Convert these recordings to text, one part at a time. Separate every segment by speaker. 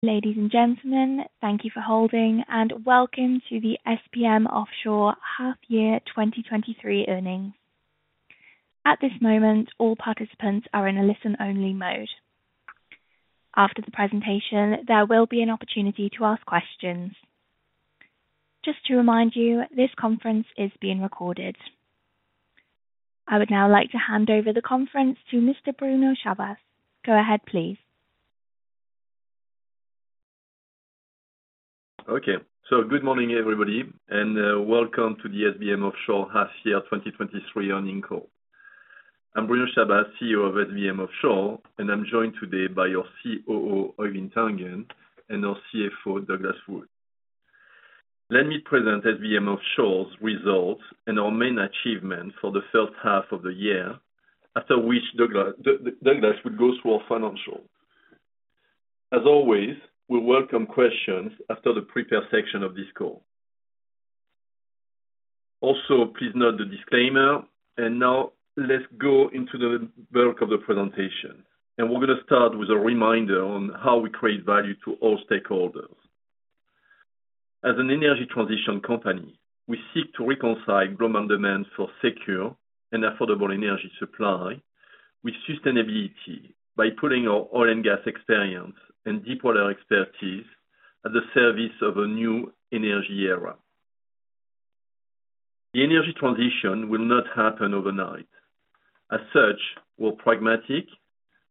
Speaker 1: Ladies and gentlemen, thank you for holding, and welcome to the SBM Offshore Half Year 2023 Earnings. At this moment, all participants are in a listen-only mode. After the presentation, there will be an opportunity to ask questions. Just to remind you, this conference is being recorded. I would now like to hand over the conference to Mr. Bruno Chabas. Go ahead, please.
Speaker 2: Okay. Good morning, everybody, and welcome to the SBM Offshore Half-Year 2023 Earning Call. I'm Bruno Chabas, CEO of SBM Offshore, and I'm joined today by your COO, Øivind Tangen, and our CFO, Douglas Wood. Let me present SBM Offshore's results and our main achievements for the first half of the year, after which Douglas will go through our financial. As always, we welcome questions after the prepared section of this cell. Also, please note the disclaimer, and now let's go into the bulk of the presentation, and we're going to start with a reminder on how we create value to all stakeholders. As an energy transition company, we seek to reconcile growing demand for secure and affordable energy supply with sustainability by putting our oil and gas experience and deep water expertise at the service of a new energy era. The energy transition will not happen overnight. As such, we're pragmatic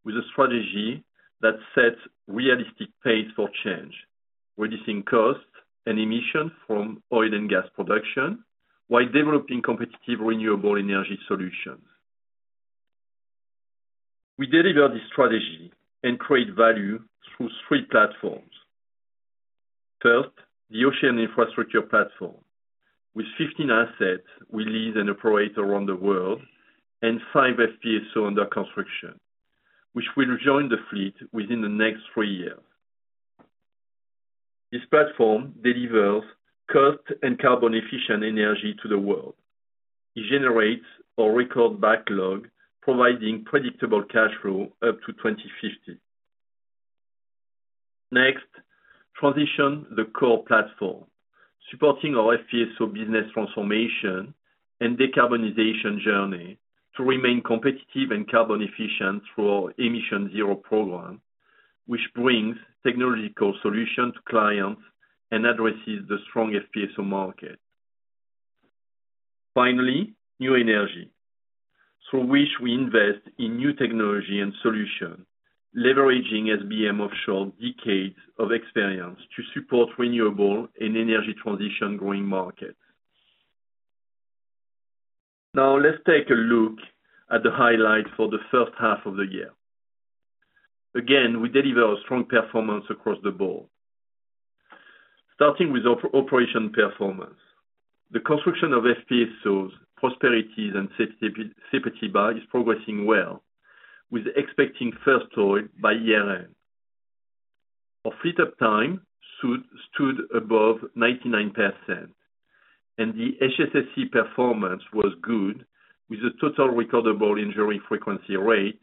Speaker 2: with a strategy that sets realistic pace for change, reducing costs and emissions from oil and gas production while developing competitive, renewable energy solutions. We deliver this strategy and create value through three platforms. First, the ocean infrastructure platform. With 15 assets, we lead and operate around the world, and five FPSO under construction, which will join the fleet within the next three years. This platform delivers cost and carbon efficient energy to the world. It generates our record backlog, providing predictable cash flow up to 2050. Next, transition the core platform, supporting our FPSO business transformation and decarbonization journey to remain competitive and carbon efficient through our emissionZERO program, which brings technological solutions to clients and addresses the strong FPSO market. Finally, new energy, through which we invest in new technology and solution, leveraging SBM Offshore decades of experience to support renewable and energy transition growing markets. Let's take a look at the highlights for the first half of the year. We deliver a strong performance across the board. Starting with operation performance. The construction of FPSOs, Prosperity and Sepetiba, is progressing well, with expecting first oil by year-end. Our fleet up time stood above 99%, and the HSSE performance was good, with a total recordable injury frequency rate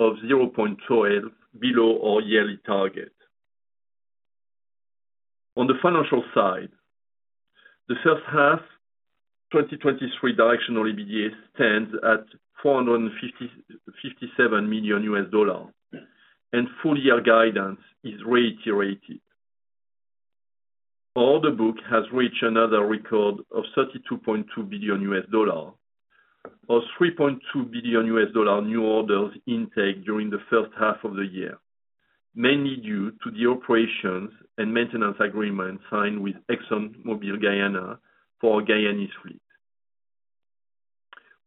Speaker 2: of 0.12 below our yearly target. On the financial side, the first half 2023 directional EBITDA stands at $457 million, full year guidance is reiterated. Our order book has reached another record of $32.2 billion, or $3.2 billion new orders intake during the first half of the year, mainly due to the O&M agreement signed with ExxonMobil Guyana for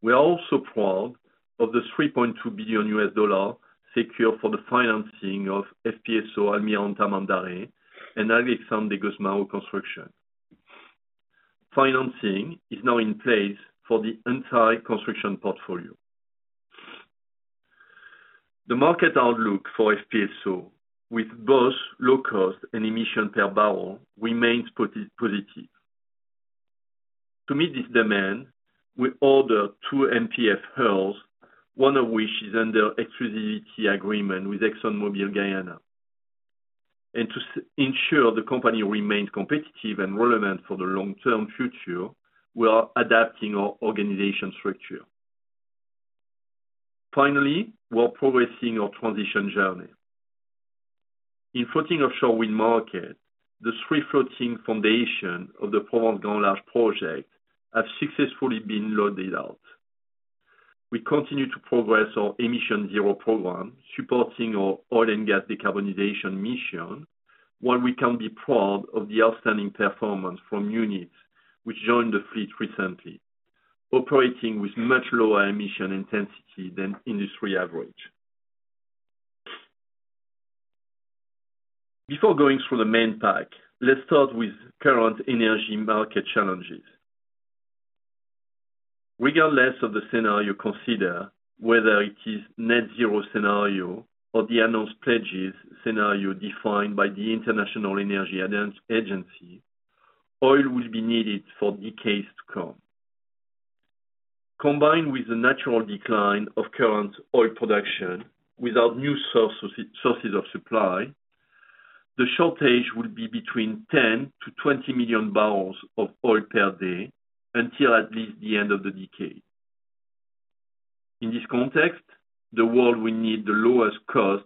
Speaker 2: our Guyanese fleet. We are also proud of the $3.2 billion secure for the financing of FPSO Almirante Tamandaré and Alexandre de Gusmão construction. Financing is now in place for the entire construction portfolio. The market outlook for FPSO, with both low cost and emission per barrel, remains positive. To meet this demand, we order two MPF hulls, one of which is under exclusivity agreement with ExxonMobil Guyana. To ensure the company remains competitive and relevant for the long-term future, we are adapting our organizational structure. Finally, we are progressing our transition journey. In floating offshore wind market, the three floating foundation of the Provence Grand Large project have successfully been loaded out. We continue to progress our emissionZERO program, supporting our oil and gas decarbonization mission, while we can be proud of the outstanding performance from units which joined the fleet recently, operating with much lower emission intensity than industry average. Before going through the main pack, let's start with current energy market challenges. Regardless of the scenario considered, whether it is net-zero scenario or the announced pledges scenario defined by the International Energy Agency, oil will be needed for decades to come. Combined with the natural decline of current oil production without new sources, sources of supply, the shortage will be between 10-20 million barrels of oil per day until at least the end of the decade. In this context, the world will need the lowest cost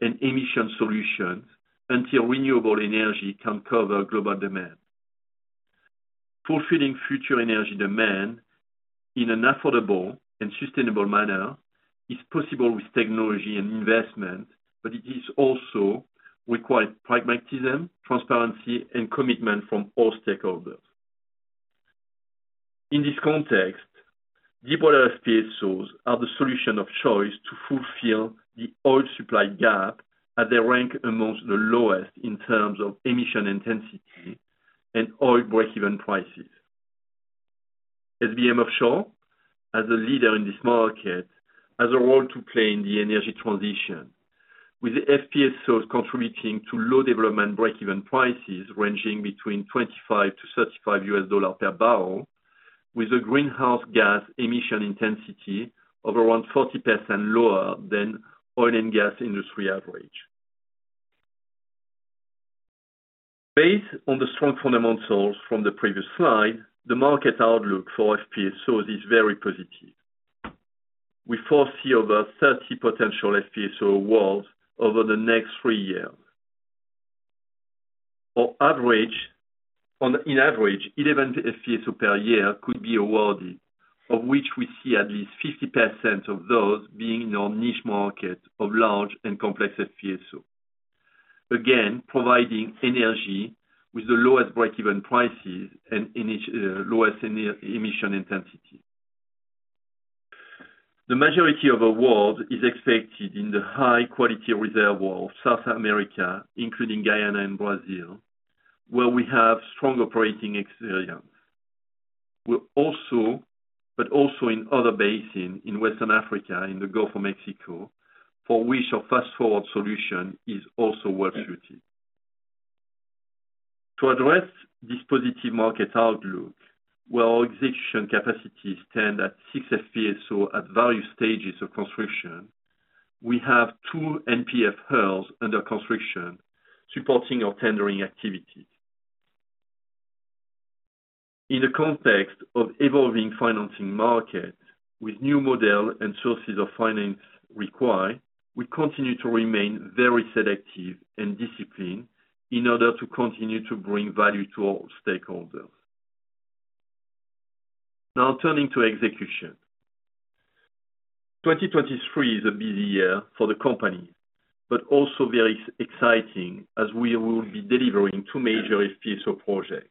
Speaker 2: and emission solutions until renewable energy can cover global demand. Fulfilling future energy demand in an affordable and sustainable manner is possible with technology and investment, but it is also require pragmatism, transparency, and commitment from all stakeholders. In this context, deepwater FPSOs are the solution of choice to fulfill the oil supply gap, as they rank amongst the lowest in terms of emission intensity and oil breakeven prices. SBM Offshore, as a leader in this market, has a role to play in the energy transition, with FPSOs contributing to low development breakeven prices ranging between $25-$35 per barrel, with a greenhouse gas emission intensity of around 40% lower than oil and gas industry average. Based on the strong fundamentals from the previous slide, the market outlook for FPSOs is very positive. We foresee over 30 potential FPSO awards over the next three years. On average, 11 FPSO per year could be awarded, of which we see at least 50% of those being in our niche market of large and complex FPSO. Again, providing energy with the lowest breakeven prices and lowest emission intensity. The majority of award is expected in the high quality reservoir of South America, including Guyana and Brazil, where we have strong operating experience. We're also in other basin, in Western Africa, in the Gulf of Mexico, for which our Fast4Ward solution is also well suited. To address this positive market outlook, where our execution capacities stand at six FPSO at various stages of construction, we have two MPF hulls under construction, supporting our tendering activity. In the context of evolving financing market, with new model and sources of finance required, we continue to remain very selective and disciplined in order to continue to bring value to all stakeholders. Now, turning to execution. 2023 is a busy year for the company, but also very exciting as we will be delivering two major FPSO projects.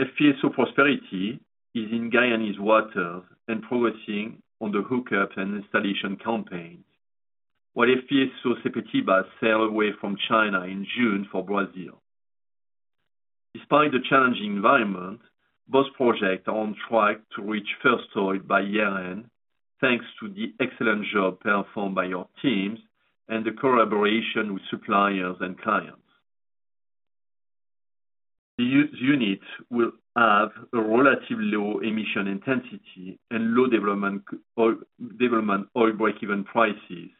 Speaker 2: FPSO Prosperity is in Guyanese waters and progressing on the hookup and installation campaigns, while FPSO Sepetiba sailed away from China in June for Brazil. Despite the challenging environment, both projects are on track to reach first oil by year-end, thanks to the excellent job performed by our teams and the collaboration with suppliers and clients. The use unit will have a relatively low emission intensity and low development oil, development oil breakeven prices,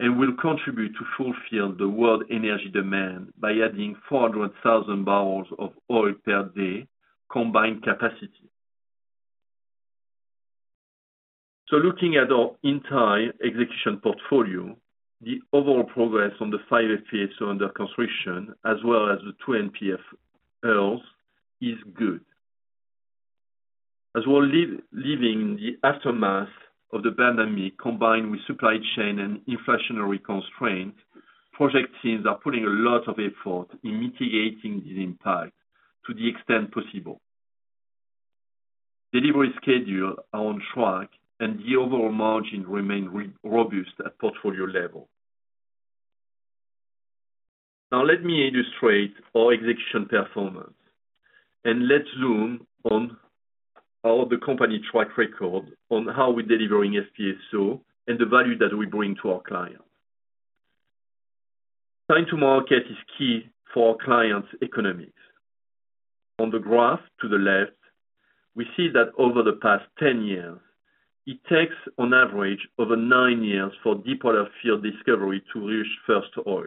Speaker 2: and will contribute to fulfill the world energy demand by adding 400,000 barrels of oil per day combined capacity. Looking at our entire execution portfolio, the overall progress on the 5 FPSO under construction, as well as the two NPF hulls, is good. As we're living the aftermath of the pandemic, combined with supply chain and inflationary constraints, project teams are putting a lot of effort in mitigating the impact to the extent possible. Delivery schedule are on track and the overall margin remain robust at portfolio level. Let me illustrate our execution performance, and let's zoom on how the company track record on how we're delivering FPSO and the value that we bring to our clients. Time to market is key for our clients' economics. On the graph to the left, we see that over the past 10 years, it takes on average, over nine years for deepwater field discovery to reach first oil.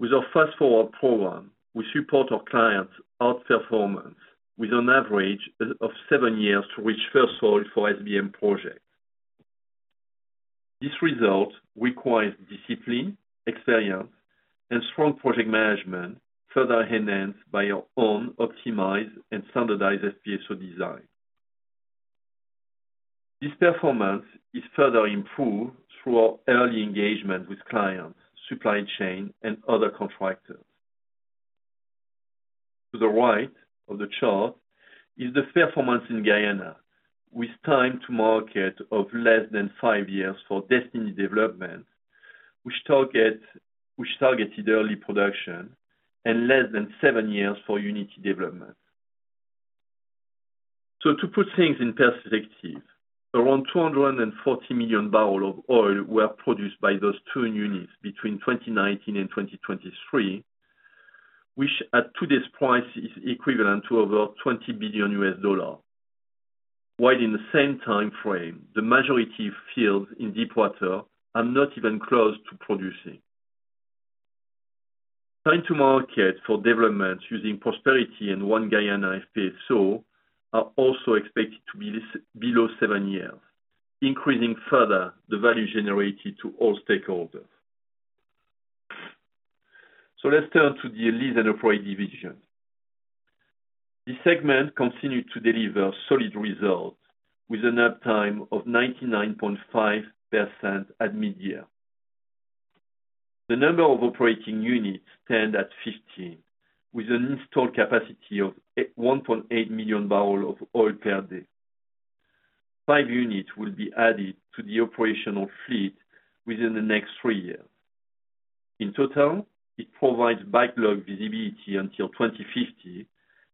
Speaker 2: With our Fast4Ward program, we support our clients' outperformance with an average of seven years to reach first oil for SBM projects. This result requires discipline, experience, and strong project management, further enhanced by our own optimized and standardized FPSO design. This performance is further improved through our early engagement with clients, supply chain, and other contractors. To the right of the chart is the performance in Guyana, with time to market of less than five years for Destiny development, which targeted early production, and less than seven years for Unity development. To put things in perspective-... Around 240 million barrel of oil were produced by those two units between 2019 and 2023, which at today's price, is equivalent to over $20 billion. In the same time frame, the majority of fields in deepwater are not even close to producing. Time to market for developments using Prosperity and One Guyana FPSO are also expected to be less, below seven years, increasing further the value generated to all stakeholders. Let's turn to the Lease and Operate division. This segment continued to deliver solid results, with an uptime of 99.5% at mid-year. The number of operating units stand at 15, with an installed capacity of 1.8 million barrels of oil per day. Five units will be added to the operational fleet within the next three years. In total, it provides backlog visibility until 2050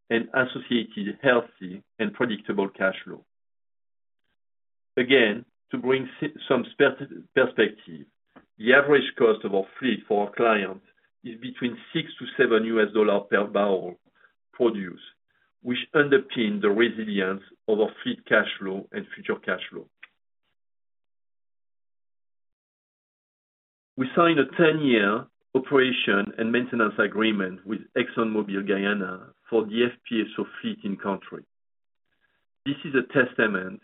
Speaker 2: and associated healthy and predictable cash flow. Again, to bring some perspective, the average cost of our fleet for our clients is between $6-$7 U.S. dollar per barrel produced, which underpin the resilience of our fleet cash flow and future cash flow. We signed a 10-year operation and maintenance agreement with ExxonMobil Guyana for the FPSO fleet in country. This is a testament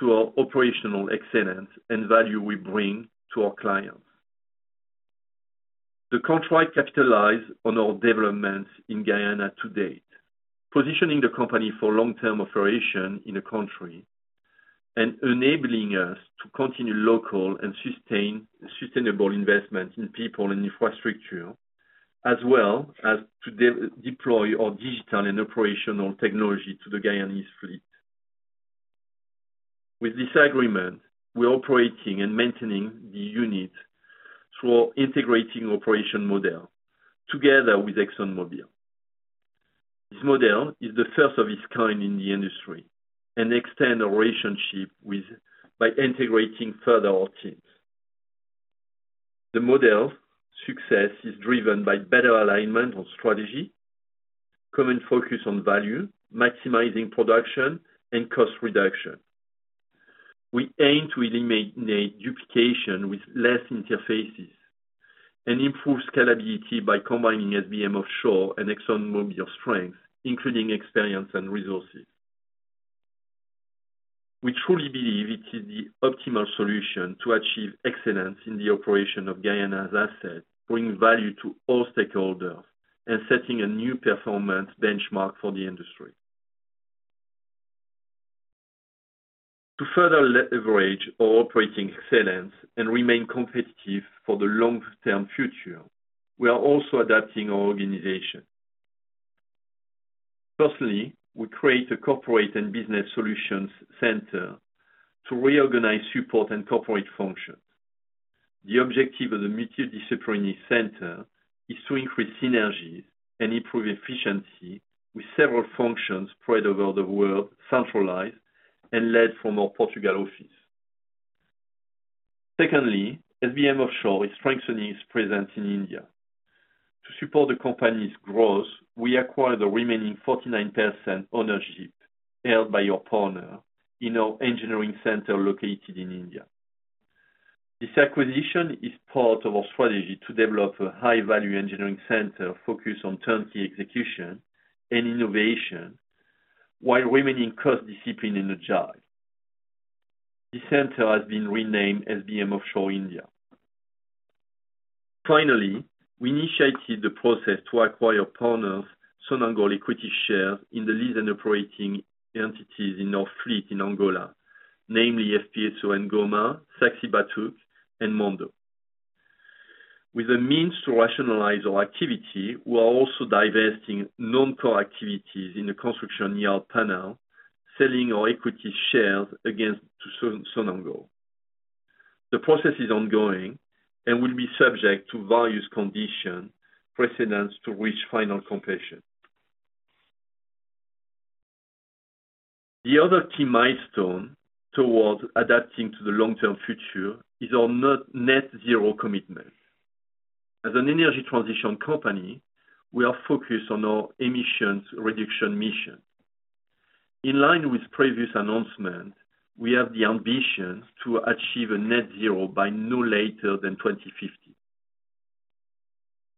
Speaker 2: to our operational excellence and value we bring to our clients. The contract capitalize on our developments in Guyana to date, positioning the company for long-term operation in the country, and enabling us to continue local and sustainable investment in people and infrastructure, as well as to deploy our digital and operational technology to the Guyanese fleet. With this agreement, we're operating and maintaining the unit through our integrating operation model together with ExxonMobil. This model is the first of its kind in the industry, and by integrating further our teams. The model's success is driven by better alignment on strategy, common focus on value, maximizing production, and cost reduction. We aim to eliminate duplication with less interfaces and improve scalability by combining SBM Offshore and ExxonMobil strength, including experience and resources. We truly believe it is the optimal solution to achieve excellence in the operation of Guyana's asset, bringing value to all stakeholders and setting a new performance benchmark for the industry. To further leverage our operating excellence and remain competitive for the long-term future, we are also adapting our organization. Firstly, we create a corporate and business solutions center to reorganize support and corporate functions. The objective of the multidisciplinary center is to increase synergies and improve efficiency, with several functions spread over the world, centralized and led from our Portugal office. SBM Offshore is strengthening its presence in India. To support the company's growth, we acquired the remaining 49% ownership held by our partner in our engineering center located in India. This acquisition is part of our strategy to develop a high-value engineering center focused on turnkey execution and innovation, while remaining cost disciplined and agile. The center has been renamed SBM Offshore India. We initiated the process to acquire partners, Sonangol equity shares in the leading operating entities in our fleet in Angola, namely FPSO N'Goma, Saxi Batuque, and Mondo. With a means to rationalize our activity, we are also divesting non-core activities in the construction yard Paenal, selling our equity shares against to Sonangol. The process is ongoing and will be subject to various conditions, precedence to reach final completion. The other key milestone towards adapting to the long-term future is our net-zero commitment. As an energy transition company, we are focused on our emissions reduction mission. In line with previous announcement, we have the ambition to achieve a net-zero by no later than 2050.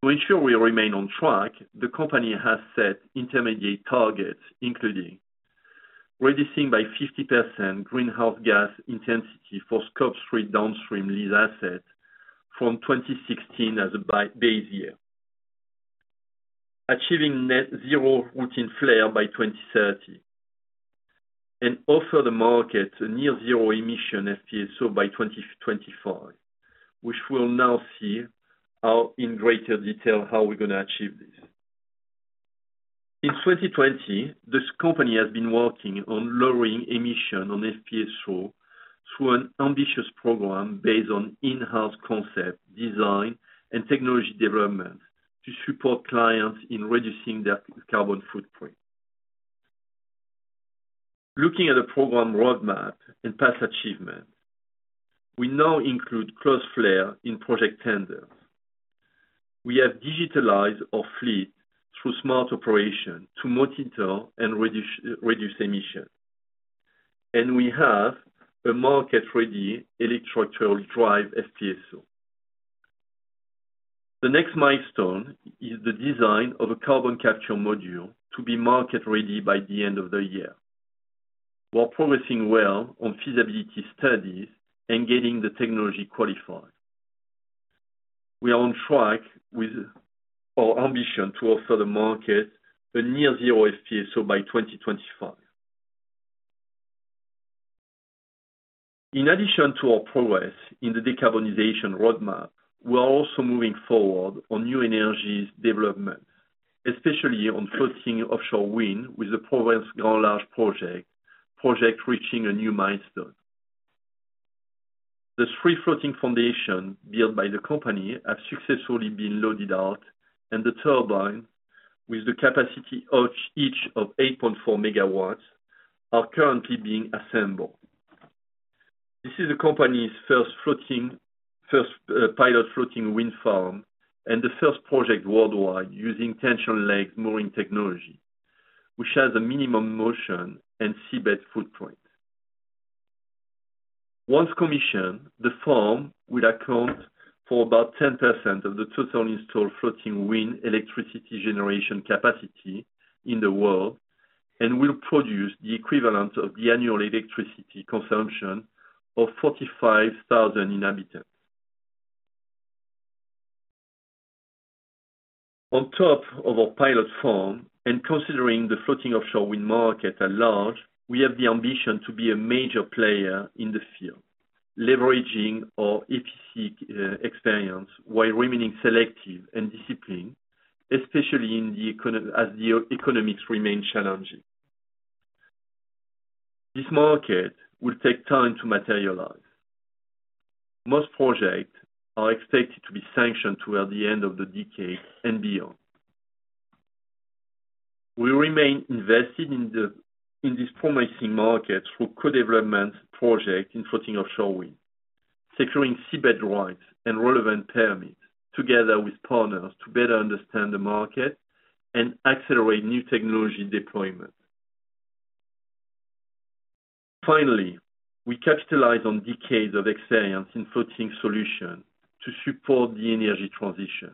Speaker 2: To ensure we remain on track, the company has set intermediate targets, including: reducing by 50% greenhouse gas intensity for Scope three downstream lease assets from 2016 as a base year, achieving net-zero routine flare by 2030, and offer the market a near-zero emissions FPSO by 2025, which we'll now see how, in greater detail, how we're going to achieve this. In 2020, this company has been working on lowering emissions on FPSO through an ambitious program based on in-house concept, design, and technology development to support clients in reducing their carbon footprint. Looking at the program roadmap and past achievements, we now include closed flare in project tenders. We have digitalized our fleet through Smart Operations to monitor and reduce emissions, and we have a market-ready electrical drive FPSO. The next milestone is the design of a carbon capture module to be market-ready by the end of the year. We're progressing well on feasibility studies and getting the technology qualified. We are on track with our ambition to offer the market a near zero FPSO by 2025. In addition to our progress in the decarbonization roadmap, we are also moving forward on new energies development, especially on floating offshore wind, with the progress on large project reaching a new milestone. The 3 floating foundation built by the company have successfully been loaded out, and the turbine, with the capacity of each of 8.4 MW, are currently being assembled. This is the company's 1st pilot floating wind farm and the 1st project worldwide using tension leg mooring technology, which has a minimum motion and seabed footprint. Once commissioned, the farm will account for about 10% of the total installed floating wind electricity generation capacity in the world and will produce the equivalent of the annual electricity consumption of 45,000 inhabitants. On top of our pilot farm and considering the floating offshore wind market at large, we have the ambition to be a major player in the field, leveraging our EPC experience while remaining selective and disciplined, especially as the economics remain challenging. This market will take time to materialize. Most projects are expected to be sanctioned toward the end of the decade and beyond. We remain invested in this promising market through co-development projects in floating offshore wind, securing seabed rights and relevant permits together with partners to better understand the market and accelerate new technology deployment. Finally, we capitalize on decades of experience in floating solutions to support the energy transition.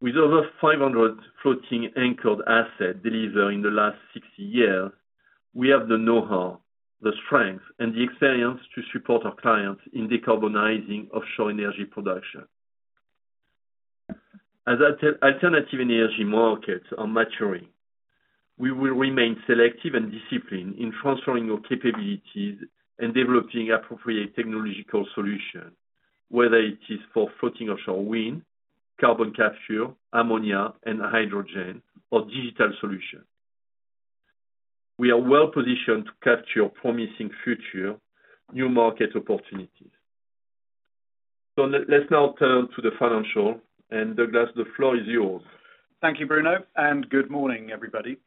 Speaker 2: With over 500 floating anchored assets delivered in the last 60 years, we have the know-how, the strength, and the experience to support our clients in decarbonizing offshore energy production. As alternative energy markets are maturing, we will remain selective and disciplined in transferring our capabilities and developing appropriate technological solutions, whether it is for floating offshore wind, carbon capture, ammonia and hydrogen, or digital solutions. We are well positioned to capture promising future new market opportunities. Let's now turn to the financial. Douglas, the floor is yours.
Speaker 3: Thank you, Bruno. Good morning, everybody.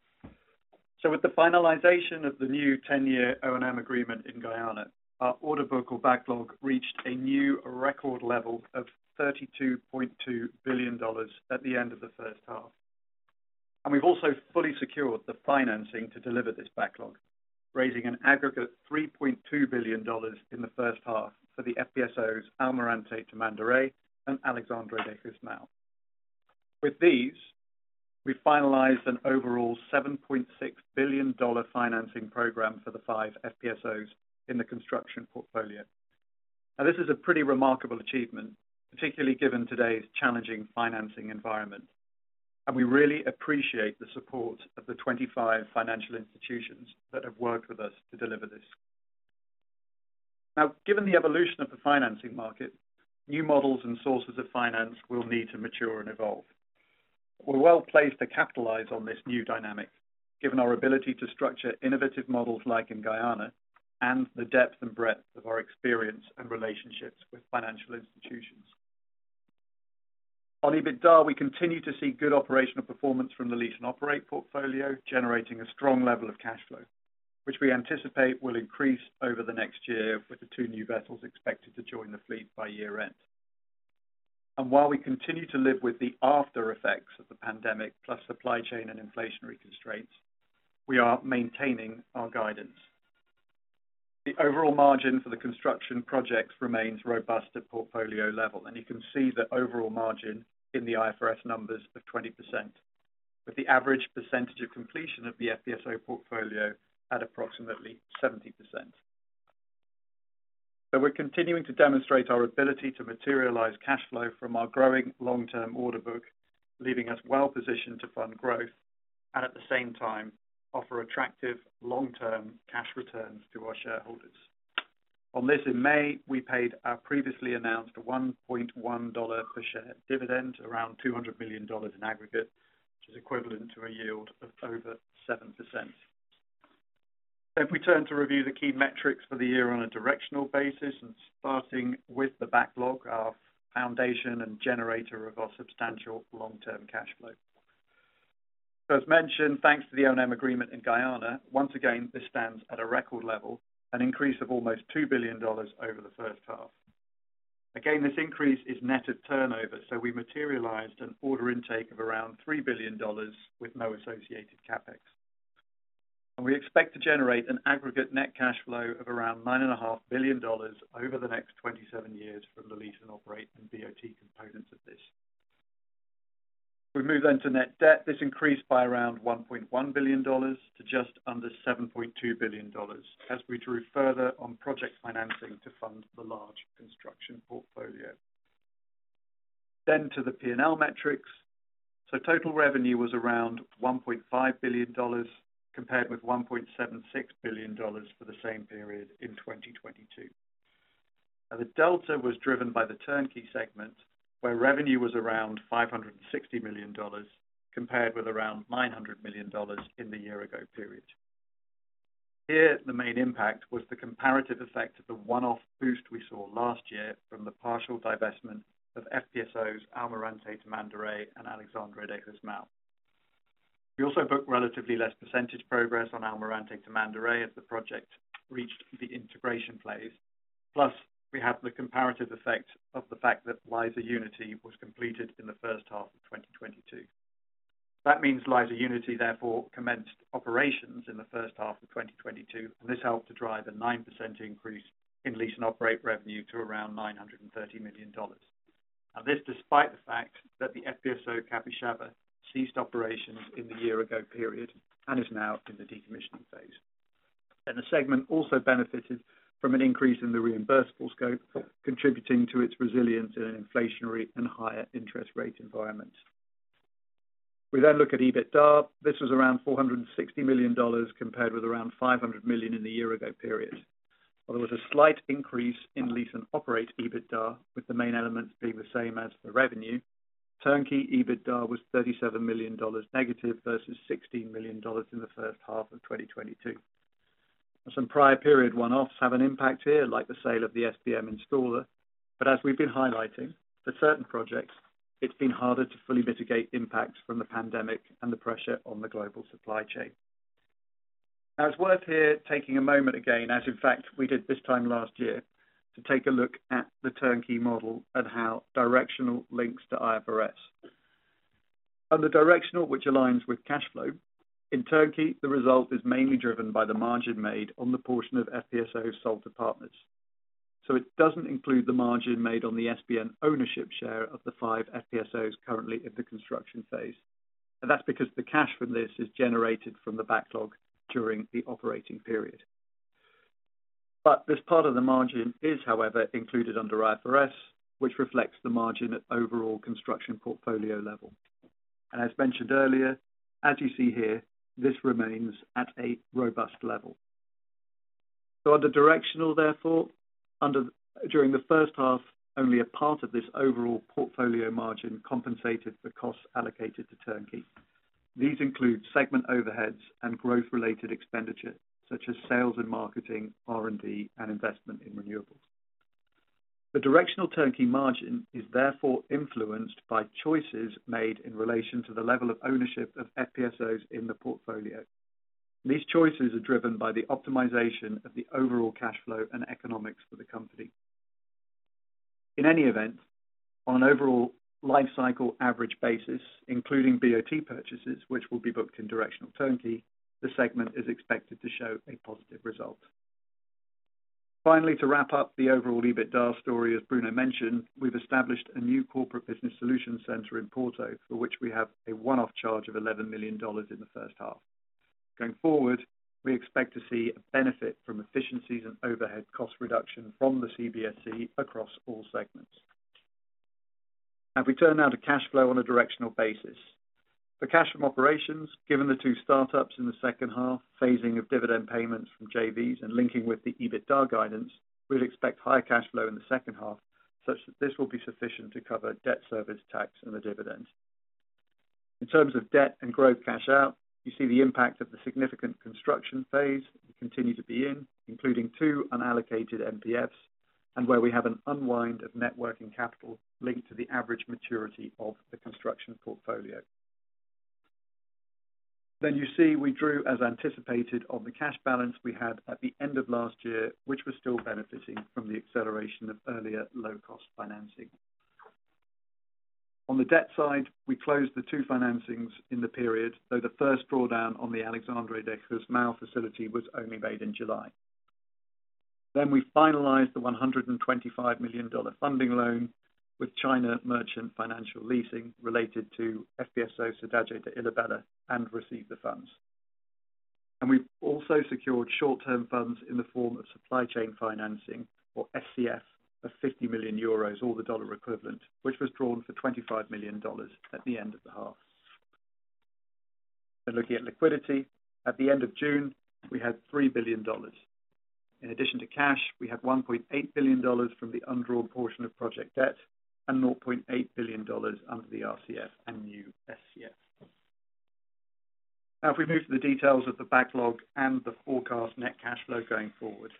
Speaker 3: With the finalization of the new 10-year O&M agreement in Guyana, our order book or backlog reached a new record level of $32.2 billion at the end of the first half. We've also fully secured the financing to deliver this backlog, raising an aggregate $3.2 billion in the first half for the FPSOs Almirante Tamandaré and Alexandre de Gusmão. With these, we finalized an overall $7.6 billion financing program for the five FPSOs in the construction portfolio. This is a pretty remarkable achievement, particularly given today's challenging financing environment, and we really appreciate the support of the 25 financial institutions that have worked with us to deliver this. Given the evolution of the financing market, new models and sources of finance will need to mature and evolve. We're well placed to capitalize on this new dynamic, given our ability to structure innovative models like in Guyana and the depth and breadth of our experience and relationships with financial institutions. On EBITDA, we continue to see good operational performance from the Lease and Operate portfolio, generating a strong level of cash flow, which we anticipate will increase over the next year with the two new vessels expected to join the fleet by year-end. While we continue to live with the after effects of the pandemic, plus supply chain and inflationary constraints, we are maintaining our guidance. The overall margin for the construction projects remains robust at portfolio level, you can see the overall margin in the IFRS numbers of 20%, with the average percentage of completion of the FPSO portfolio at approximately 70%. We're continuing to demonstrate our ability to materialize cash flow from our growing long-term order book, leaving us well positioned to fund growth and at the same time, offer attractive long-term cash returns to our shareholders. On this in May, we paid our previously announced $1.1 per share dividend, around $200 million in aggregate, which is equivalent to a yield of over 7%. If we turn to review the key metrics for the year on a directional basis, starting with the backlog, our foundation and generator of our substantial long-term cash flow. As mentioned, thanks to the O&M agreement in Guyana, once again, this stands at a record level, an increase of almost $2 billion over the first half. This increase is netted turnover, so we materialized an order intake of around $3 billion with no associated CapEx. We expect to generate an aggregate net cash flow of around $9.5 billion over the next 27 years from the lease and operate and BOT components of this. We move to net debt. This increased by around $1.1 billion to just under $7.2 billion, as we drew further on project financing to fund the large construction portfolio. To the P&L metrics. Total revenue was around $1.5 billion, compared with $1.76 billion for the same period in 2022. Now, the delta was driven by the turnkey segment, where revenue was around $560 million, compared with around $900 million in the year ago period. Here, the main impact was the comparative effect of the one-off boost we saw last year from the partial divestment of FPSOs Almirante Tamandaré and Alexandre de Gusmão. We also booked relatively less percentage progress on Almirante Tamandaré as the project reached the integration phase. Plus, we have the comparative effect of the fact that Liza Unity was completed in the first half of 2022. That means Liza Unity therefore commenced operations in the first half of 2022, and this helped to drive a 9% increase in lease and operate revenue to around $930 million. This, despite the fact that the FPSO Capixaba ceased operations in the year ago period and is now in the decommissioning phase. The segment also benefited from an increase in the reimbursable scope, contributing to its resilience in an inflationary and higher interest rate environment. We look at EBITDA. This was around $460 million, compared with around $500 million in the year ago period. While there was a slight increase in Lease and Operate EBITDA, with the main elements being the same as the revenue, turnkey EBITDA was $37 million negative versus $16 million in the first half of 2022. Some prior period one-offs have an impact here, like the sale of the SBM Installer. As we've been highlighting, for certain projects, it's been harder to fully mitigate impacts from the pandemic and the pressure on the global supply chain. It's worth here taking a moment again, as in fact, we did this time last year, to take a look at the turnkey model and how directional links to IFRS. Under directional, which aligns with cash flow, in turnkey, the result is mainly driven by the margin made on the portion of FPSO sold to partners. It doesn't include the margin made on the SBM ownership share of the five FPSOs currently in the construction phase. That's because the cash from this is generated from the backlog during the operating period. This part of the margin is, however, included under IFRS, which reflects the margin at overall construction portfolio level. As mentioned earlier, as you see here, this remains at a robust level. Under directional, therefore, during the first half, only a part of this overall portfolio margin compensated for costs allocated to turnkey. These include segment overheads and growth-related expenditures, such as sales and marketing, R&D, and investment in renewables. The directional turnkey margin is therefore influenced by choices made in relation to the level of ownership of FPSOs in the portfolio. These choices are driven by the optimization of the overall cash flow and economics for the company. In any event, on an overall lifecycle average basis, including BOT purchases, which will be booked in directional turnkey, the segment is expected to show a positive result. Finally, to wrap up the overall EBITDA story, as Bruno mentioned, we've established a new corporate business solution center in Porto, for which we have a one-off charge of $11 million in the first half. Going forward, we expect to see a benefit from efficiencies and overhead cost reduction from the CBSC across all segments. Now, if we turn now to cash flow on a directional basis. For cash from operations, given the two startups in the second half, phasing of dividend payments from JVs and linking with the EBITDA guidance, we'd expect higher cash flow in the second half, such that this will be sufficient to cover debt service tax and the dividends. In terms of debt and growth cash out, you see the impact of the significant construction phase we continue to be in, including two unallocated MPFs, and where we have an unwind of net working capital linked to the average maturity of the construction portfolio. You see, we drew as anticipated on the cash balance we had at the end of last year, which was still benefiting from the acceleration of earlier low-cost financing. On the debt side, we closed the two financings in the period, though the first drawdown on the Alexandre de Gusmão facility was only made in July. We finalized the $125 million funding loan with China Merchants Financial Leasing related to FPSO Cidade de Ilhabela and received the funds. We also secured short-term funds in the form of supply chain financing, or SCF, of 50 million euros, or the dollar equivalent, which was drawn for $25 million at the end of the half. Looking at liquidity, at the end of June, we had $3 billion. In addition to cash, we have $1.8 billion from the undrawn portion of project debt and $0.8 billion under the RCF and new SCF. If we move to the details of the backlog and the forecast net cash flow going forward.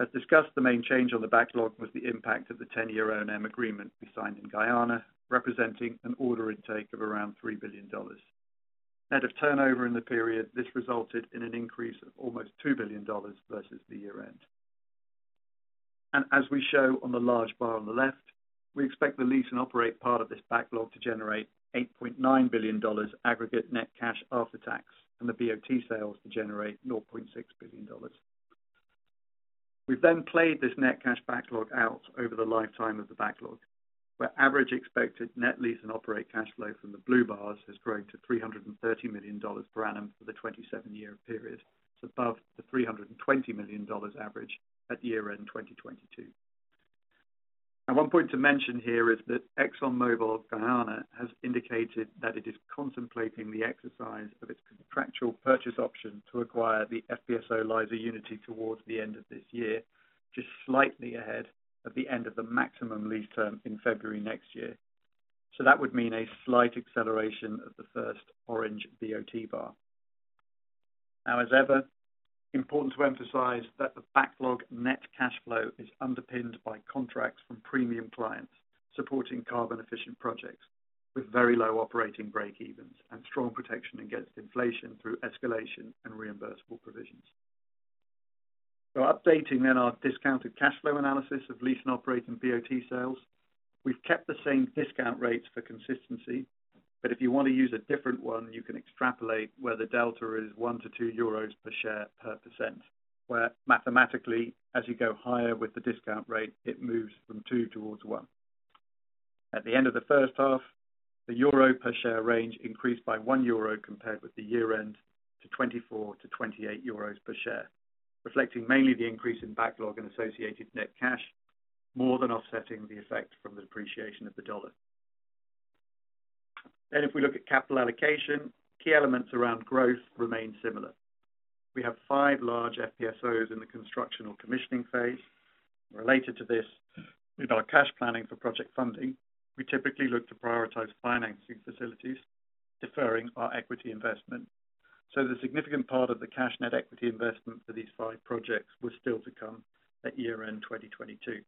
Speaker 3: As discussed, the main change on the backlog was the impact of the 10-year O&M agreement we signed in Guyana, representing an order intake of around $3 billion. Net of turnover in the period, this resulted in an increase of almost $2 billion versus the year-end. As we show on the large bar on the left, we expect the Lease and Operate part of this backlog to generate $8.9 billion aggregate net cash after tax, and the BOT sales to generate $0.6 billion. We've played this net cash backlog out over the lifetime of the backlog, where average expected net Lease and Operate cash flow from the blue bars has grown to $330 million per annum for the 27-year period, above the $320 million average at the year end 2022. One point to mention here is that ExxonMobil Guyana has indicated that it is contemplating the exercise of its contractual purchase option to acquire the FPSO Liza Unity towards the end of this year, just slightly ahead of the end of the maximum lease term in February next year. That would mean a slight acceleration of the first orange BOT bar. As ever, important to emphasize that the backlog net cash flow is underpinned by contracts from premium clients supporting carbon-efficient projects with very low operating breakevens and strong protection against inflation through escalation and reimbursable provisions. Updating then our discounted cash flow analysis of lease and operating BOT sales, we've kept the same discount rates for consistency, but if you want to use a different one, you can extrapolate where the delta is 1-2 euros per share per %, where mathematically, as you go higher with the discount rate, it moves from two towards one. At the end of the first half, the EUR per share range increased by 1 euro compared with the year end to 24-28 euros per share, reflecting mainly the increase in backlog and associated net cash, more than offsetting the effect from the depreciation of the US dollar. If we look at capital allocation, key elements around growth remain similar. We have 5 large FPSOs in the construction or commissioning phase. Related to this, with our cash planning for project funding, we typically look to prioritize financing facilities, deferring our equity investment. The significant part of the cash net equity investment for these 5 projects was still to come at year end, 2022.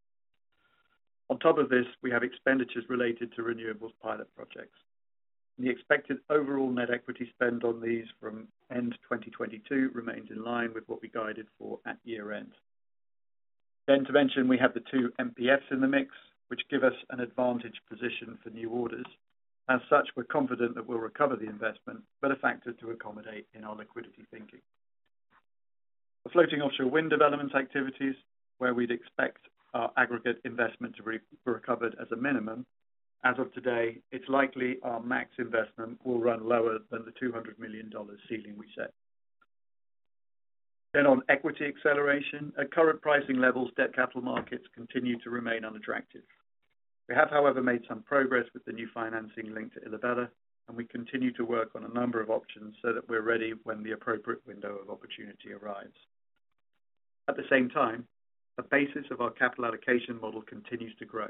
Speaker 3: On top of this, we have expenditures related to renewables pilot projects. The expected overall net equity spend on these from end 2022 remains in line with what we guided for at year end. To mention, we have the two MPFs in the mix, which give us an advantage position for new orders. As such, we're confident that we'll recover the investment, but a factor to accommodate in our liquidity thinking. The floating offshore wind development activities, where we'd expect our aggregate investment to recovered as a minimum. As of today, it's likely our max investment will run lower than the $200 million ceiling we set. On equity acceleration, at current pricing levels, debt capital markets continue to remain unattractive. We have, however, made some progress with the new financing linked to Illabella, and we continue to work on a number of options so that we're ready when the appropriate window of opportunity arrives. At the same time, the basis of our capital allocation model continues to grow,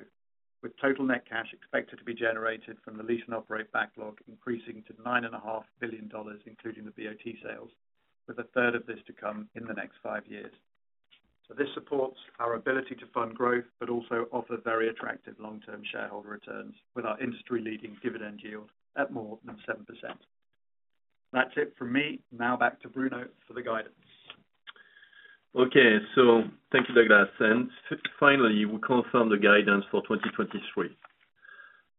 Speaker 3: with total net cash expected to be generated from the lease and operate backlog, increasing to $9.5 billion, including the BOT sales, with a third of this to come in the next five years. This supports our ability to fund growth, but also offer very attractive long-term shareholder returns with our industry-leading dividend yield at more than 7%. That's it from me. Back to Bruno for the guidance.
Speaker 2: Okay, thank you, Douglas. Finally, we confirm the guidance for 2023.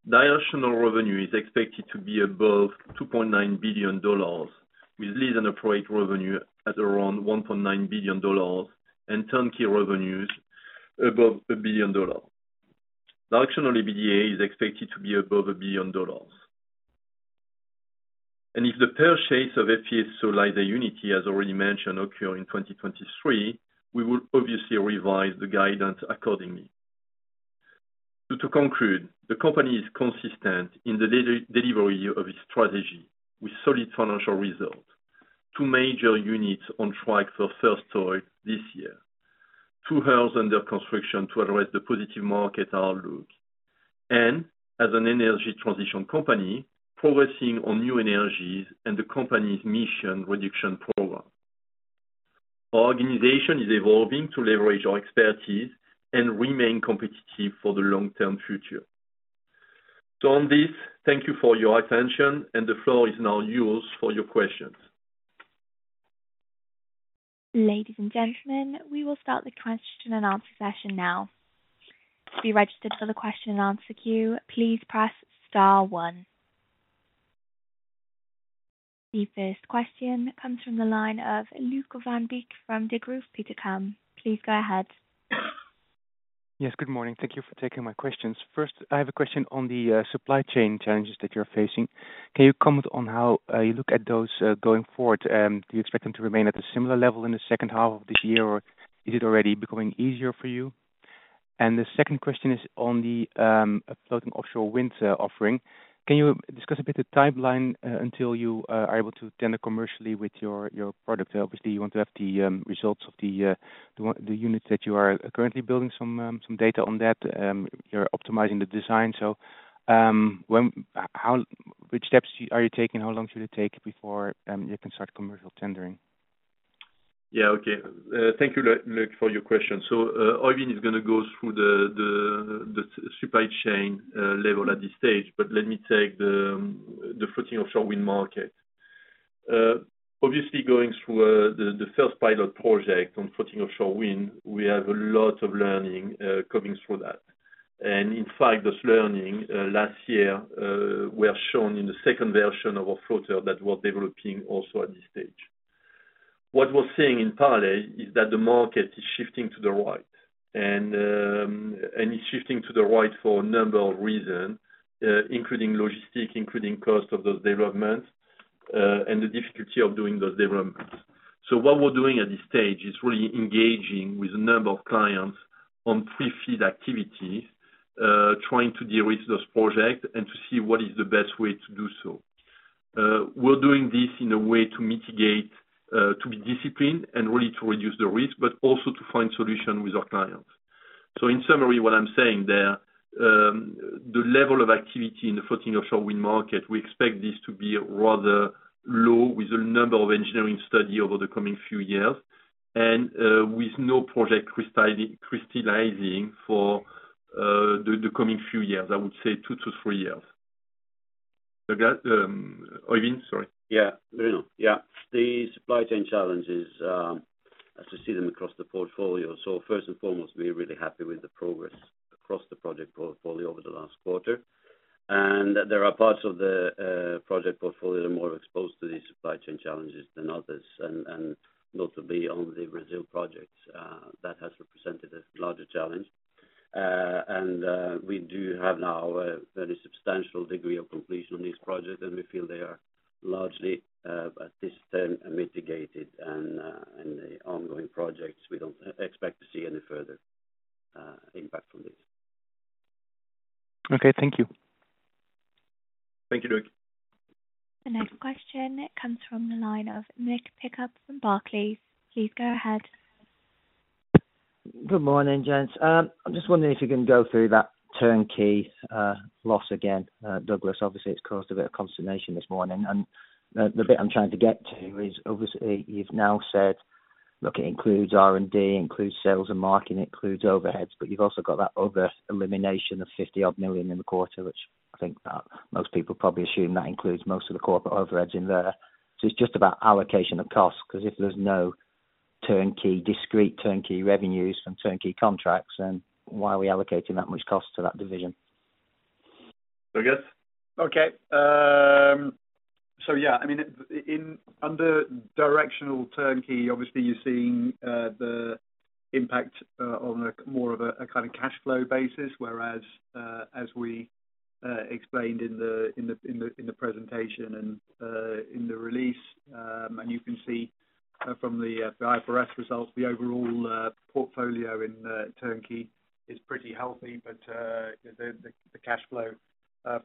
Speaker 2: Directional revenue is expected to be above $2.9 billion, with Lease and Operate revenue at around $1.9 billion and turnkey revenues above $1 billion. Directional EBITDA is expected to be above $1 billion. If the purchase of FPSO Liza Unity, as already mentioned, occur in 2023, we will obviously revise the guidance accordingly. To conclude, the company is consistent in the delivery of its strategy with solid financial results, two major units on track for first oil this year, two hulls under construction to address the positive market outlook, and as an energy transition company, progressing on new energies and the company's mission reduction program. Our organization is evolving to leverage our expertise and remain competitive for the long-term future. On this, thank you for your attention, and the floor is now yours for your questions.
Speaker 1: Ladies and gentlemen, we will start the question and answer session now. To be registered for the question and answer queue, please press star one. The first question comes from the line of Luuk Van Beek from Degroof Petercam. Please go ahead.
Speaker 4: Yes, good morning. Thank you for taking my questions. First, I have a question on the supply chain challenges that you're facing. Can you comment on how you look at those going forward? Do you expect them to remain at a similar level in the second half of this year, or is it already becoming easier for you? The second question is on the floating offshore wind offering. Can you discuss a bit the timeline until you are able to tender commercially with your product? Obviously, you want to have the results of the units that you are currently building some data on that. You're optimizing the design. When, how, which steps are you taking? How long should it take before you can start commercial tendering?
Speaker 3: Yeah, okay. Thank you, Luuk, for your question. Øivind is going to go through the, the, the supply chain level at this stage, but let me take the floating offshore wind market. Obviously, going through the 1st pilot project on floating offshore wind, we have a lot of learning coming through that. In fact, this learning last year were shown in the 2nd version of a floater that we're developing also at this stage. What we're seeing in Parley is that the market is shifting to the right, and it's shifting to the right for a number of reasons, including logistic, including cost of those developments, and the difficulty of doing those developments. What we're doing at this stage is really engaging with a number of clients on Pre-FEED activities, trying to de-risk those projects and to see what is the best way to do so. We're doing this in a way to mitigate, to be disciplined and really to reduce the risk, but also to find solution with our clients. In summary, what I'm saying there, the level of activity in the floating offshore wind market, we expect this to be rather low, with a number of engineering study over the coming few years. With no project crystallizing for the coming few years, I would say two-three years. Guys, Øivind, sorry.
Speaker 5: Yeah. No, yeah. The supply chain challenges, as I see them across the portfolio. First and foremost, we're really happy with the progress across the project portfolio over the last quarter. There are parts of the project portfolio more exposed to these supply chain challenges than others, notably on the Brazil projects, that has represented a larger challenge. We do have now a very substantial degree of completion on this project, and we feel they are largely, at this time, mitigated and the ongoing projects, we don't expect to see any further impact from this.
Speaker 4: Okay. Thank you.
Speaker 3: Thank you, Luuk.
Speaker 1: The next question comes from the line of Mick Pickup from Barclays. Please go ahead.
Speaker 6: Good morning, gents. I'm just wondering if you can go through that turnkey loss again, Douglas. Obviously, it's caused a bit of consternation this morning. The bit I'm trying to get to is obviously, you've now said, look, it includes R&D, includes sales and marketing, includes overheads, but you've also got that other elimination of $50 odd million in the quarter, which I think that most people probably assume that includes most of the corporate overheads in there. It's just about allocation of costs, 'cause if there's no discrete turnkey revenues from turnkey contracts, then why are we allocating that much cost to that division?
Speaker 3: I guess. Okay, so yeah, I mean, in under directional turnkey, obviously, you're seeing the impact on a more of a kind of cash flow basis, whereas, as we explained in the presentation and in the release, and you can see from the IFRS results, the overall portfolio in turnkey is pretty healthy, but the cash flow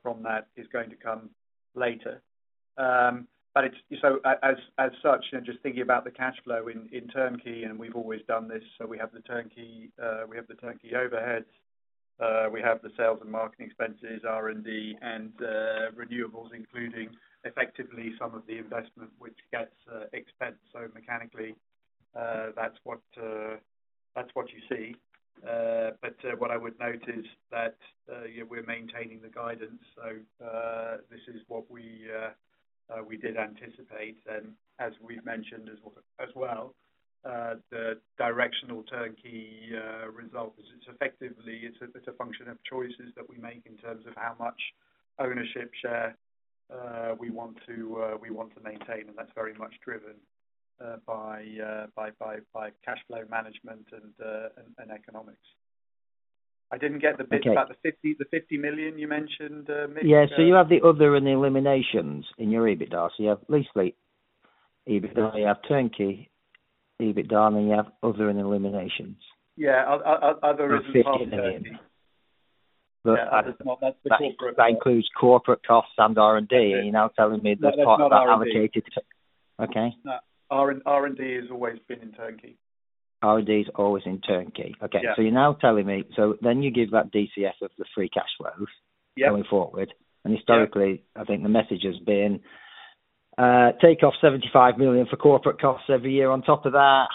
Speaker 3: from that is going to come later. It's so as, as such, and just thinking about the cash flow in turnkey, and we've always done this, so we have the turnkey, we have the turnkey overheads, we have the sales and marketing expenses, R&D, and renewables, including effectively some of the investment which gets expensed. Mechanically, that's what that's what you see. What I would note is that, yeah, we're maintaining the guidance, so this is what we did anticipate. As we've mentioned as well, the directional turnkey results, it's effectively, it's a, it's a function of choices that we make in terms of how much ownership share we want to maintain, and that's very much driven by cashflow management and economics. I didn't get the bit-
Speaker 6: Okay.
Speaker 3: About the $50, the $50 million you mentioned, Nick.
Speaker 6: Yeah. You have the other and the eliminations in your EBITDA. You have basically, EBITDA, you have turnkey, EBITDA, and you have other and eliminations.
Speaker 3: Yeah. Other.
Speaker 6: $50 million.
Speaker 3: Yeah, that's the corporate.
Speaker 6: That includes corporate costs and R&D. You're now telling me that's not allocated?
Speaker 3: Okay. No, R&D has always been in turnkey.
Speaker 6: R&D is always in turnkey.
Speaker 3: Yeah.
Speaker 6: Okay. You're now telling me... You give that DCF of the free cash flows-
Speaker 3: Yeah
Speaker 6: going forward.
Speaker 3: Yeah.
Speaker 6: Historically, I think the message has been, take off $75 million for corporate costs every year on top of that.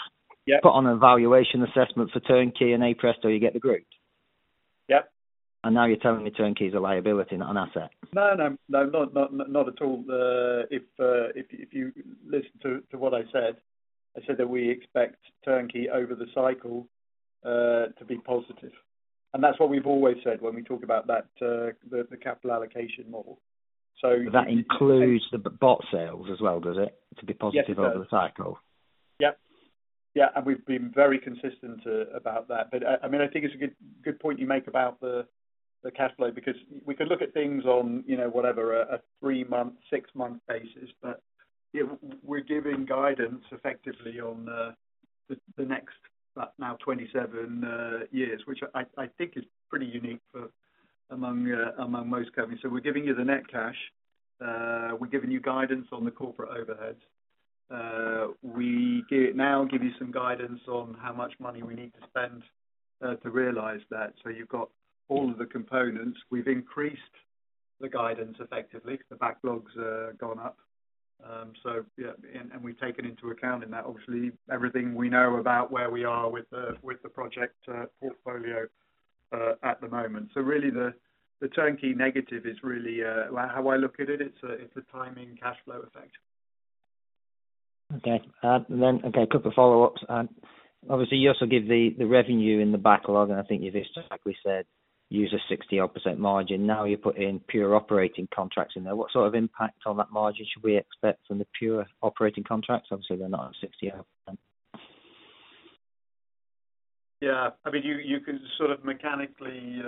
Speaker 3: Yeah.
Speaker 6: Put on a valuation assessment for turnkey and Operate, you get the group.
Speaker 3: Yep.
Speaker 6: Now you're telling me turnkey is a liability, not an asset?
Speaker 3: No, no, no, not, not, not at all. If, if, if you listen to, to what I said, I said that we expect turnkey over the cycle, to be positive. That's what we've always said when we talk about that, the, the capital allocation model.
Speaker 6: That includes the BOT sales as well, does it?
Speaker 3: Yes, it does.
Speaker 6: To be positive over the cycle.
Speaker 3: Yep. Yeah, we've been very consistent about that. I mean, I think it's a good, good point you make about the cash flow, because we can look at things on, you know, whatever, a three-month, six-month basis, but, you know, we're giving guidance effectively on the next now 27 years, which I think is pretty unique for among most companies. We're giving you the net cash. We're giving you guidance on the corporate overheads. We give, now give you some guidance on how much money we need to spend to realize that. You've got all of the components. We've increased the guidance effectively, the backlogs have gone up. Yeah, and we've taken into account in that obviously, everything we know about where we are with the, with the project, portfolio, at the moment. Really, the, the turnkey negative is really, how I look at it, it's a, it's a timing cash flow effect.
Speaker 6: Okay. Okay, a couple of follow-ups. Obviously, you also give the, the revenue in the backlog, and I think you've just accurately said, use a 60-odd % margin. You put in pure operating contracts in there. What sort of impact on that margin should we expect from the pure operating contracts? Obviously, they're not at 60-odd.
Speaker 3: Yeah. I mean, you, you can sort of mechanically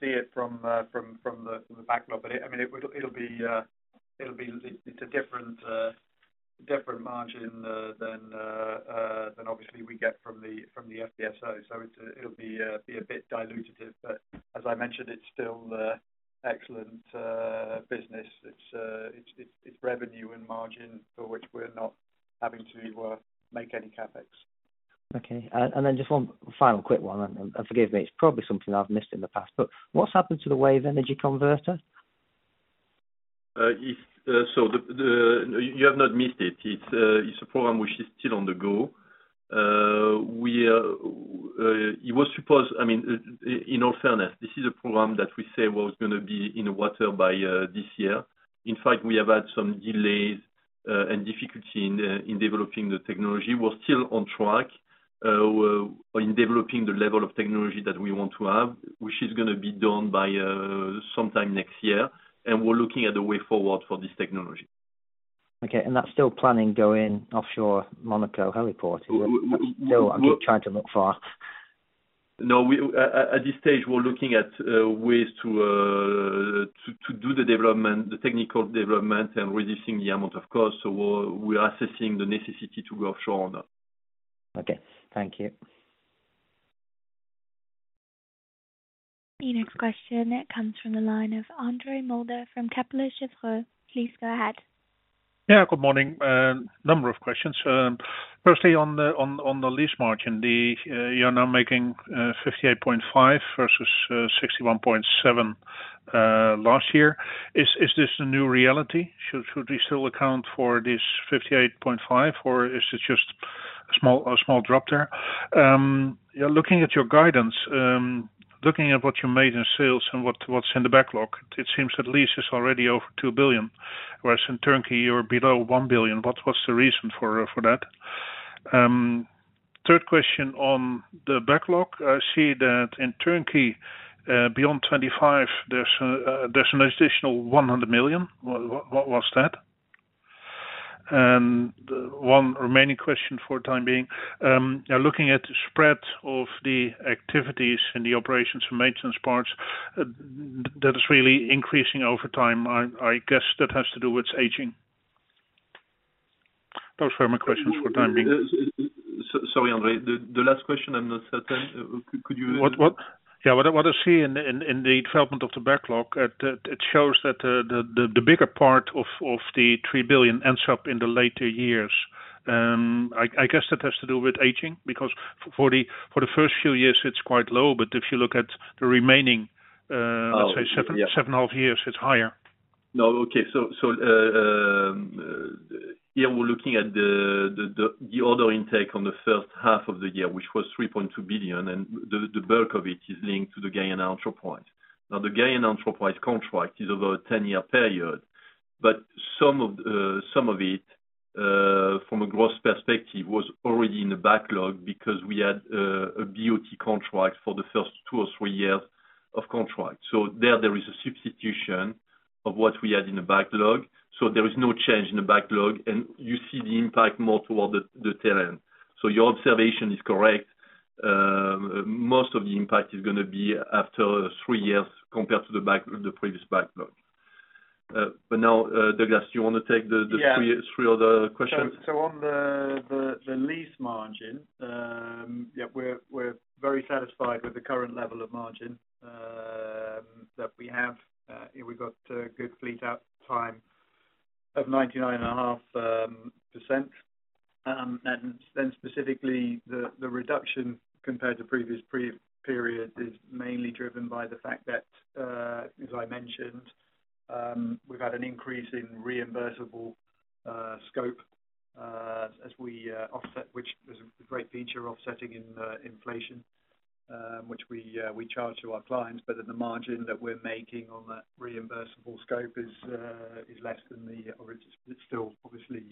Speaker 3: see it from, from the, the backlog. I mean, it'll be it's a different different margin than obviously we get from the, from the FPSO. It's, it'll be be a bit dilutive, but as I mentioned, it's still excellent business. It's, it's, it's revenue and margin for which we're not having to make any CapEx.
Speaker 6: Okay. Then just one final quick one. Forgive me, it's probably something I've missed in the past, but what's happened to the wave energy converter?
Speaker 2: It's, so you have not missed it. It's a program which is still on the go. It was supposed, I mean, in all fairness, this is a program that we said was gonna be in the water by this year. In fact, we have had some delays and difficulty in developing the technology. We're still on track in developing the level of technology that we want to have, which is gonna be done by sometime next year, and we're looking at a way forward for this technology.
Speaker 6: Okay, and that's still planning to go in offshore Monaco Heliport? Trying to look for.
Speaker 2: No, we, at, at this stage, we're looking at ways to to, to do the development, the technical development and reducing the amount of cost. We're, we're assessing the necessity to go offshore on that.
Speaker 6: Okay, thank you.
Speaker 1: The next question comes from the line of Andre Mulder from Kepler Cheuvreux. Please go ahead.
Speaker 7: Yeah, good morning. Number of questions. Firstly, on the lease margin, you're now making 58.5 versus 61.7 last year. Is this the new reality? Should we still account for this 58.5, or is it just a small drop there? Yeah, looking at your guidance, looking at what you made in sales and what's in the backlog, it seems that lease is already over $2 billion, whereas in turnkey, you're below $1 billion. What's the reason for that? Third question on the backlog. I see that in turnkey, beyond 2025, there's an additional $100 million. What's that? One remaining question for the time being. Now, looking at the spread of the activities in the operations and maintenance parts, that is really increasing over time. I, I guess that has to do with aging. Those were my questions for the time being.
Speaker 2: Sorry, Andre, the last question, I'm not certain. Could you...
Speaker 7: Yeah. What I see in the development of the backlog, it shows that the bigger part of the $3 billion ends up in the later years. I guess that has to do with aging, because for the first few years, it's quite low, but if you look at the remaining.
Speaker 2: Oh, yeah.
Speaker 7: let's say 7, 7.5 years, it's higher.
Speaker 2: No. Okay. So, so, yeah, we're looking at the, the, the, the order intake on the first half of the year, which was $3.2 billion, and the, the bulk of it is linked to the Guyana Entreprises. The Guyana Entreprises contract is over a 10-year period, but some of it from a growth perspective, was already in the backlog because we had a BOT contract for the first two or three years of contract. There, there is a substitution of what we had in the backlog, so there is no change in the backlog, and you see the impact more toward the, the tail end. Your observation is correct. Most of the impact is gonna be after three years compared to the previous backlog. But now, Douglas, do you want to take the, the-
Speaker 3: Yeah.
Speaker 2: three, three other questions?
Speaker 3: On the, the, the lease margin, yeah, we're, we're very satisfied with the current level of margin, that we have. We've got a good fleet out time of 99.5%. Specifically, the reduction compared to previous pre-periods is mainly driven by the fact that, as I mentioned, we've had an increase in reimbursable scope, as we offset, which is a great feature offsetting in inflation, which we we charge to our clients, but then the margin that we're making on that reimbursable scope is less than the... It's still obviously,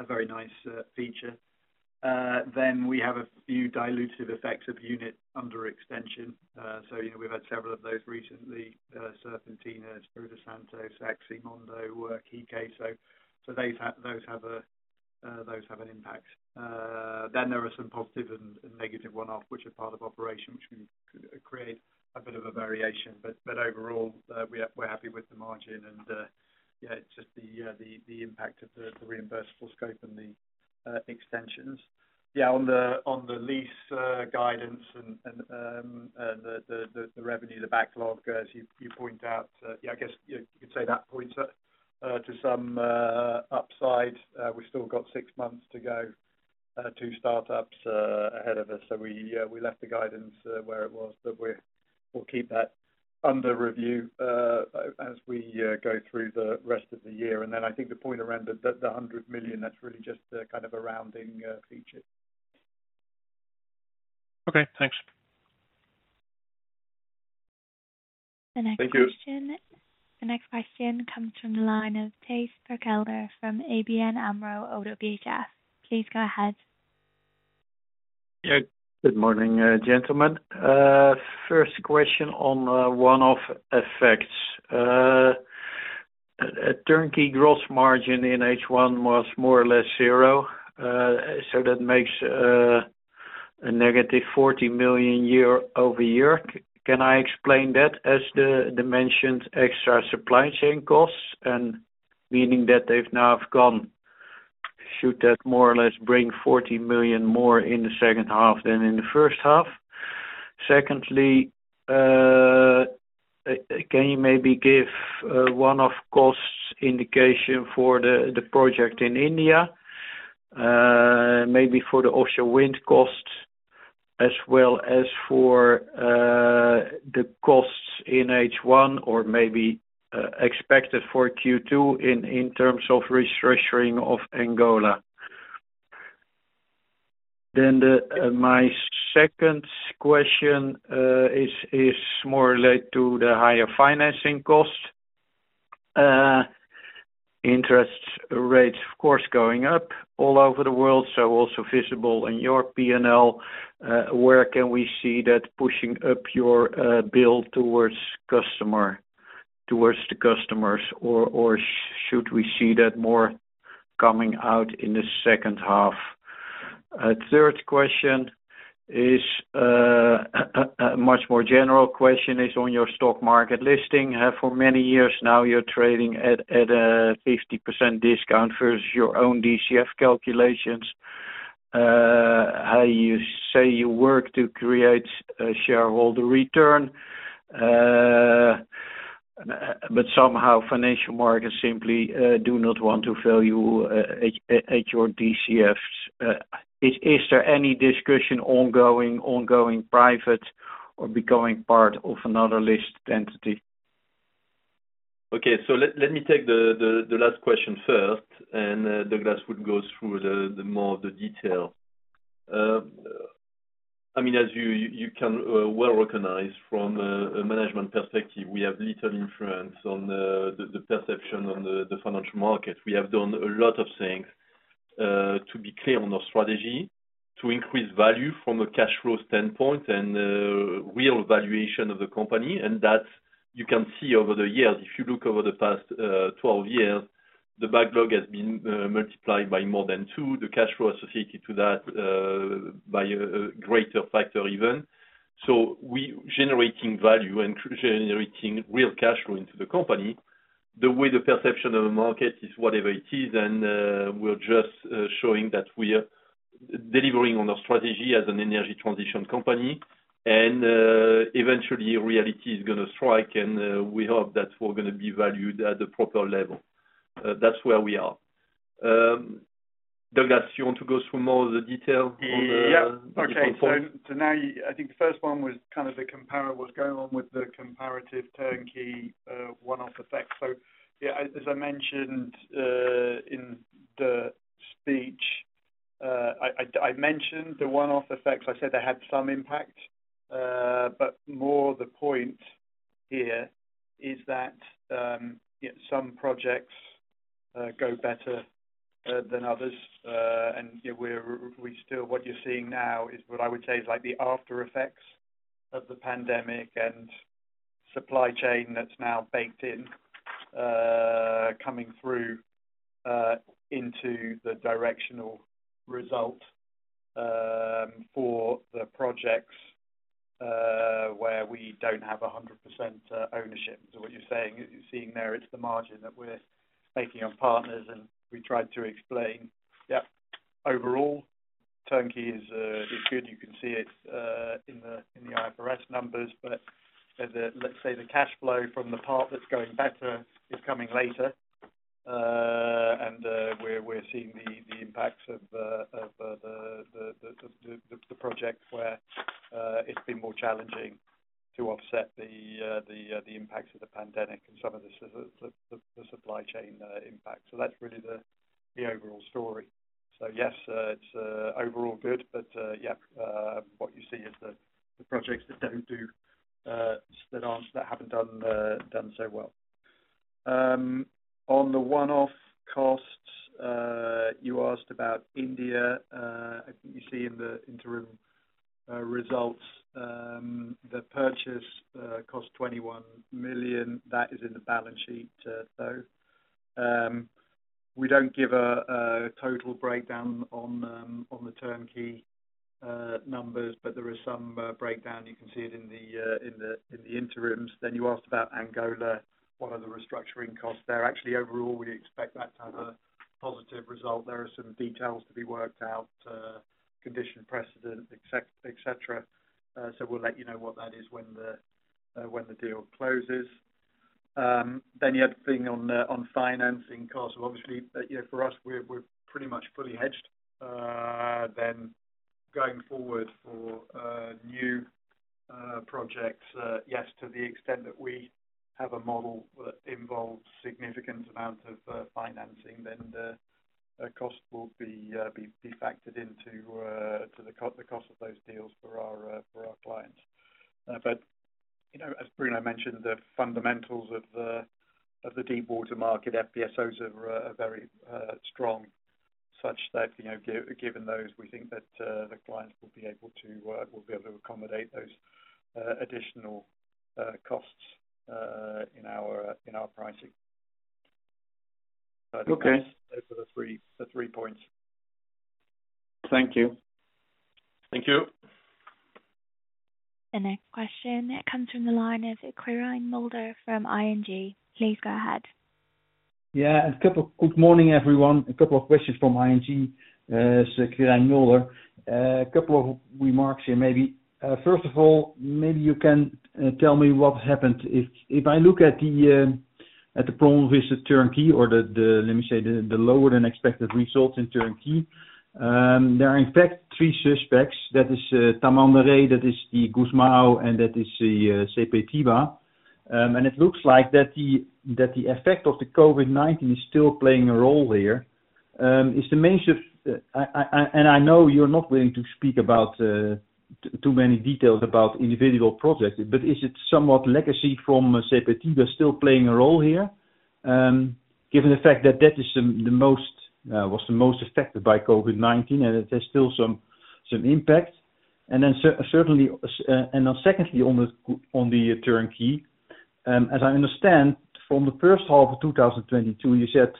Speaker 3: a very nice feature. We have a few dilutive effects of unit under extension. So, you know, we've had several of those recently, Serpentina, Espirito Santo, Saximondo, Kikeh. Those have, those have an impact. There are some positive and negative one-off, which are part of operation, which can create a bit of a variation. Overall, we are, we're happy with the margin and, yeah, just the impact of the reimbursable scope and the extensions. Yeah, on the lease guidance and, and, and the revenue, the backlog, as you, you point out, yeah, I guess, you, you'd say that points out to some upside. We've still got six months to go, two startups ahead of us. We, we left the guidance where it was, but we'll keep that under review as we go through the rest of the year. Then I think the point around the, the, the $100 million, that's really just kind of a rounding feature.
Speaker 8: Okay, thanks.
Speaker 2: Thank you.
Speaker 1: The next question, the next question comes from the line of Thijs Berkelder from ABN AMRO ODDO-BHF. Please go ahead.
Speaker 8: Yeah. Good morning, gentlemen. First question on one-off effects. At turnkey gross margin in H1 was more or less zero, so that makes a negative $40 million year-over-year. Can I explain that as the dimensions extra supply chain costs, meaning that they've now have gone, should that more or less bring $40 million more in the second half than in the first half? Secondly, can you maybe give one-off costs indication for the project in India, maybe for the offshore wind costs, as well as for the costs in H1, or maybe expected for Q2 in terms of restructuring of Angola? The my second question is more related to the higher financing costs. Interest rates, of course, going up all over the world, so also visible in your P&L. Where can we see that pushing up your bill towards customer-- towards the customers, or, or should we see that more coming out in the second half? Third question is a much more general question, is on your stock market listing. For many years now, you're trading at a 50% discount versus your own DCF calculations. How you say you work to create a shareholder return, but somehow financial markets simply do not want to value at your DCFs. Is there any discussion ongoing, ongoing private or becoming part of another list entity?
Speaker 2: Okay. Let me take the last question first, and Douglas Wood would go through the more of the detail. I mean, as you can well recognize from a management perspective, we have little influence on the perception on the financial market. We have done a lot of things to be clear on our strategy, to increase value from a cash flow standpoint and real valuation of the company, and that you can see over the years. If you look over the past 12 years, the backlog has been multiplied by more than two, the cash flow associated to that by a greater factor even. We generating value and generating real cash flow into the company. The way the perception of the market is whatever it is, and we're just showing that we are delivering on our strategy as an energy transition company. Eventually, reality is gonna strike, and we hope that we're gonna be valued at the proper level. That's where we are. Douglas, you want to go through more of the detail on the-
Speaker 3: Yeah. Okay.
Speaker 2: on the platform?
Speaker 3: Now, I think the first one was kind of the compare, what's going on with the comparative turnkey one-off effect. Yeah, as I mentioned in the speech, I mentioned the one-off effects. I said they had some impact, but more the point here is that some projects go better than others. And, yeah, we still, what you're seeing now is what I would say is like the after effects of the pandemic and supply chain that's now baked in, coming through into the directional result for the projects where we don't have a 100% ownership. What you're seeing there, it's the margin that we're taking on partners, and we tried to explain. Yeah. Overall, turnkey is good. You can see it in the IFRS numbers, but the, the, let's say the cash flow from the part that's going better is coming later. And we're seeing the impacts of the project where it's been more challenging to offset the impacts of the pandemic and some of the supply chain impact. That's really the overall story. Yes, it's overall good, but yeah, what you see is the projects that don't do that aren't that haven't done done so well. On the one-off costs, you asked about India. I think you see in the interim results, the purchase cost $21 million, that is in the balance sheet. We don't give a total breakdown on the turnkey numbers, but there is some breakdown. You can see it in the interims. You asked about Angola, what are the restructuring costs there? Actually, overall, we expect that to have a positive result. There are some details to be worked out, condition, precedent, et cetera, so we'll let you know what that is when the deal closes. You had a thing on financing costs. Obviously, you know, for us, we're pretty much fully hedged. Going forward for new projects, yes, to the extent that we have a model that involves significant amount of financing, then the cost will be be factored into to the cost of those deals for our for our clients. You know, as Bruno mentioned, the fundamentals of the of the deep water market, FPSOs are very strong, such that, you know, given those, we think that the clients will be able to will be able to accommodate those additional costs in our in our pricing.
Speaker 8: Okay.
Speaker 3: Those are the three, the three points.
Speaker 8: Thank you.
Speaker 2: Thank you.
Speaker 1: The next question comes from the line of Quirijn Mulder from ING. Please go ahead.
Speaker 9: Yeah, good morning, everyone. A couple of questions from ING, it's Quirijn Mulder. A couple of remarks here, maybe. First of all, maybe you can tell me what happened. If I look at the problem with the turnkey or, let me say, the lower than expected results in turnkey, there are in fact three suspects. That is Tamandaré, that is the Gusmao, and that is the Sepetiba. It looks like the effect of the COVID-19 is still playing a role here. Is the main shift, I know you're not willing to speak about too many details about individual projects, but is it somewhat legacy from Sepetiba still playing a role here? Given the fact that that is the, the most, was the most affected by COVID-19, and there's still some, some impact. Then certainly, and then secondly, on the turnkey, as I understand from the first half of 2022, you said,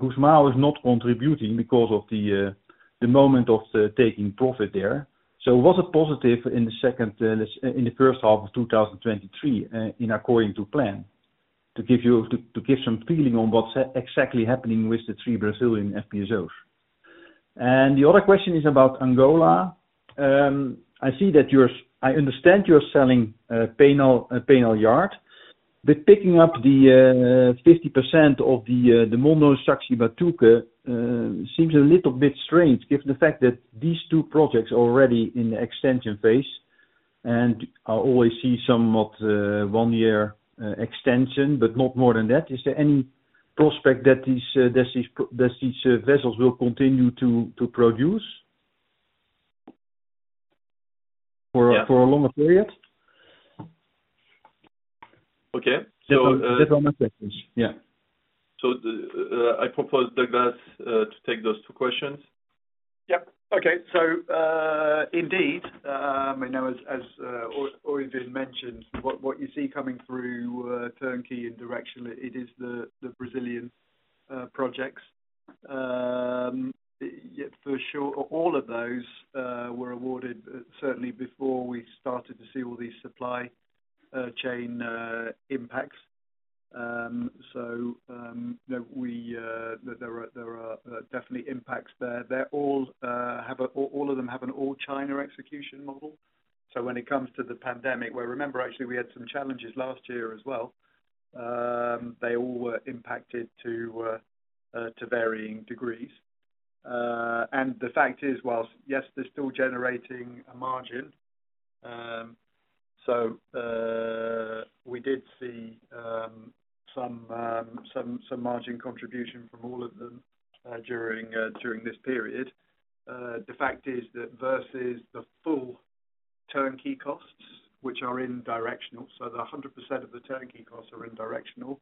Speaker 9: Gusmao is not contributing because of the moment of taking profit there. Was it positive in the second, in the first half of 2023, in according to plan? To give you, to give some feeling on what's exactly happening with the three Brazilian FPSOs. The other question is about Angola. I understand you're selling, Paenal, Paenal Yard, but picking up the 50% of the Mondo, Saxi Batuque, seems a little bit strange given the fact that these two projects are already in the extension phase, and I always see somewhat one year extension, but not more than that. Is there any prospect that these, that these vessels will continue to produce? For a longer period.
Speaker 2: Okay.
Speaker 9: Those are my questions. Yeah.
Speaker 2: The, I propose Douglas, to take those two questions.
Speaker 3: Yep. Okay. Indeed, I know as, as Øivind Tangen mentioned, what, what you see coming through turnkey and direction, it is the Brazilian projects. Yeah, for sure, all of those were awarded certainly before we started to see all these supply chain impacts. You know, we, there are, there are definitely impacts there. They're all. All of them have an all China execution model. When it comes to the pandemic, well, remember, actually, we had some challenges last year as well. They all were impacted to varying degrees. The fact is, whilst, yes, they're still generating a margin, so, we did see some, some, some margin contribution from all of them during this period. The fact is that versus the full turnkey costs, which are in directional, so the 100% of the turnkey costs are in directional.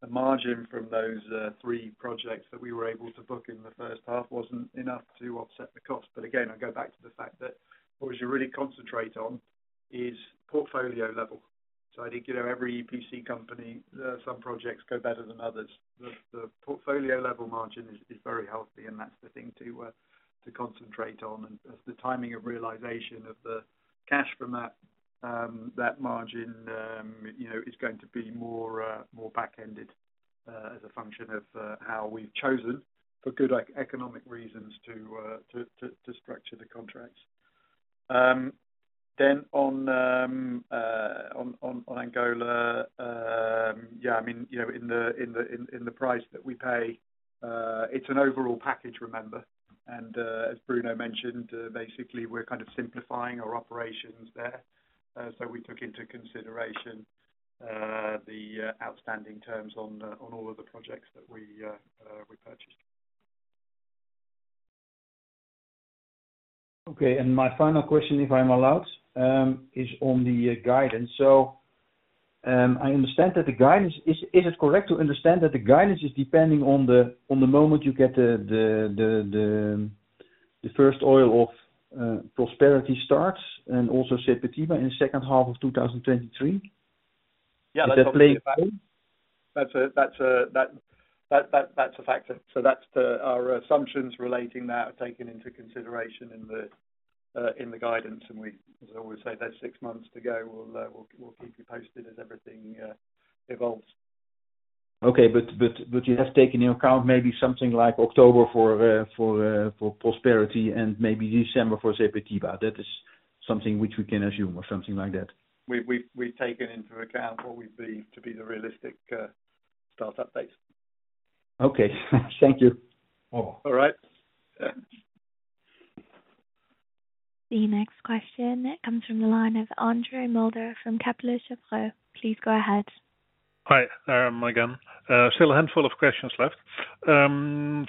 Speaker 3: The margin from those three projects that we were able to book in the first half wasn't enough to offset the cost. Again, I go back to the fact that what we should really concentrate on is portfolio level. I think, you know, every EPC company, some projects go better than others. The portfolio level margin is very healthy, and that's the thing to concentrate on. As the timing of realization of the cash from that margin, you know, is going to be more back-ended, as a function of how we've chosen for good economic reasons to structure the contracts. On Angola, yeah, I mean, you know, in the, in the, in, in the price that we pay, it's an overall package, remember? As Bruno mentioned, basically, we're kind of simplifying our operations there. We took into consideration the outstanding terms on the, on all of the projects that we purchased.
Speaker 9: Okay, my final question, if I'm allowed, is on the guidance. I understand that the guidance, is it correct to understand that the guidance is depending on the moment you get the first oil of Prosperity starts and also Sepetiba in the second half of 2023?
Speaker 3: Yeah.
Speaker 9: Does that play?
Speaker 3: That's a factor. That's our assumptions relating that are taken into consideration in the guidance. We, as I always say, that's six months to go. We'll keep you posted as everything evolves.
Speaker 9: Okay. You have taken into account maybe something like October for for Prosperity and maybe December for Sepetiba. That is something which we can assume, or something like that?
Speaker 3: We've taken into account what we believe to be the realistic start-up dates.
Speaker 9: Okay. Thank you.
Speaker 3: All right.
Speaker 1: The next question comes from the line of André Mulder from Kepler Cheuvreux. Please go ahead.
Speaker 7: Hi, again, still a handful of questions left.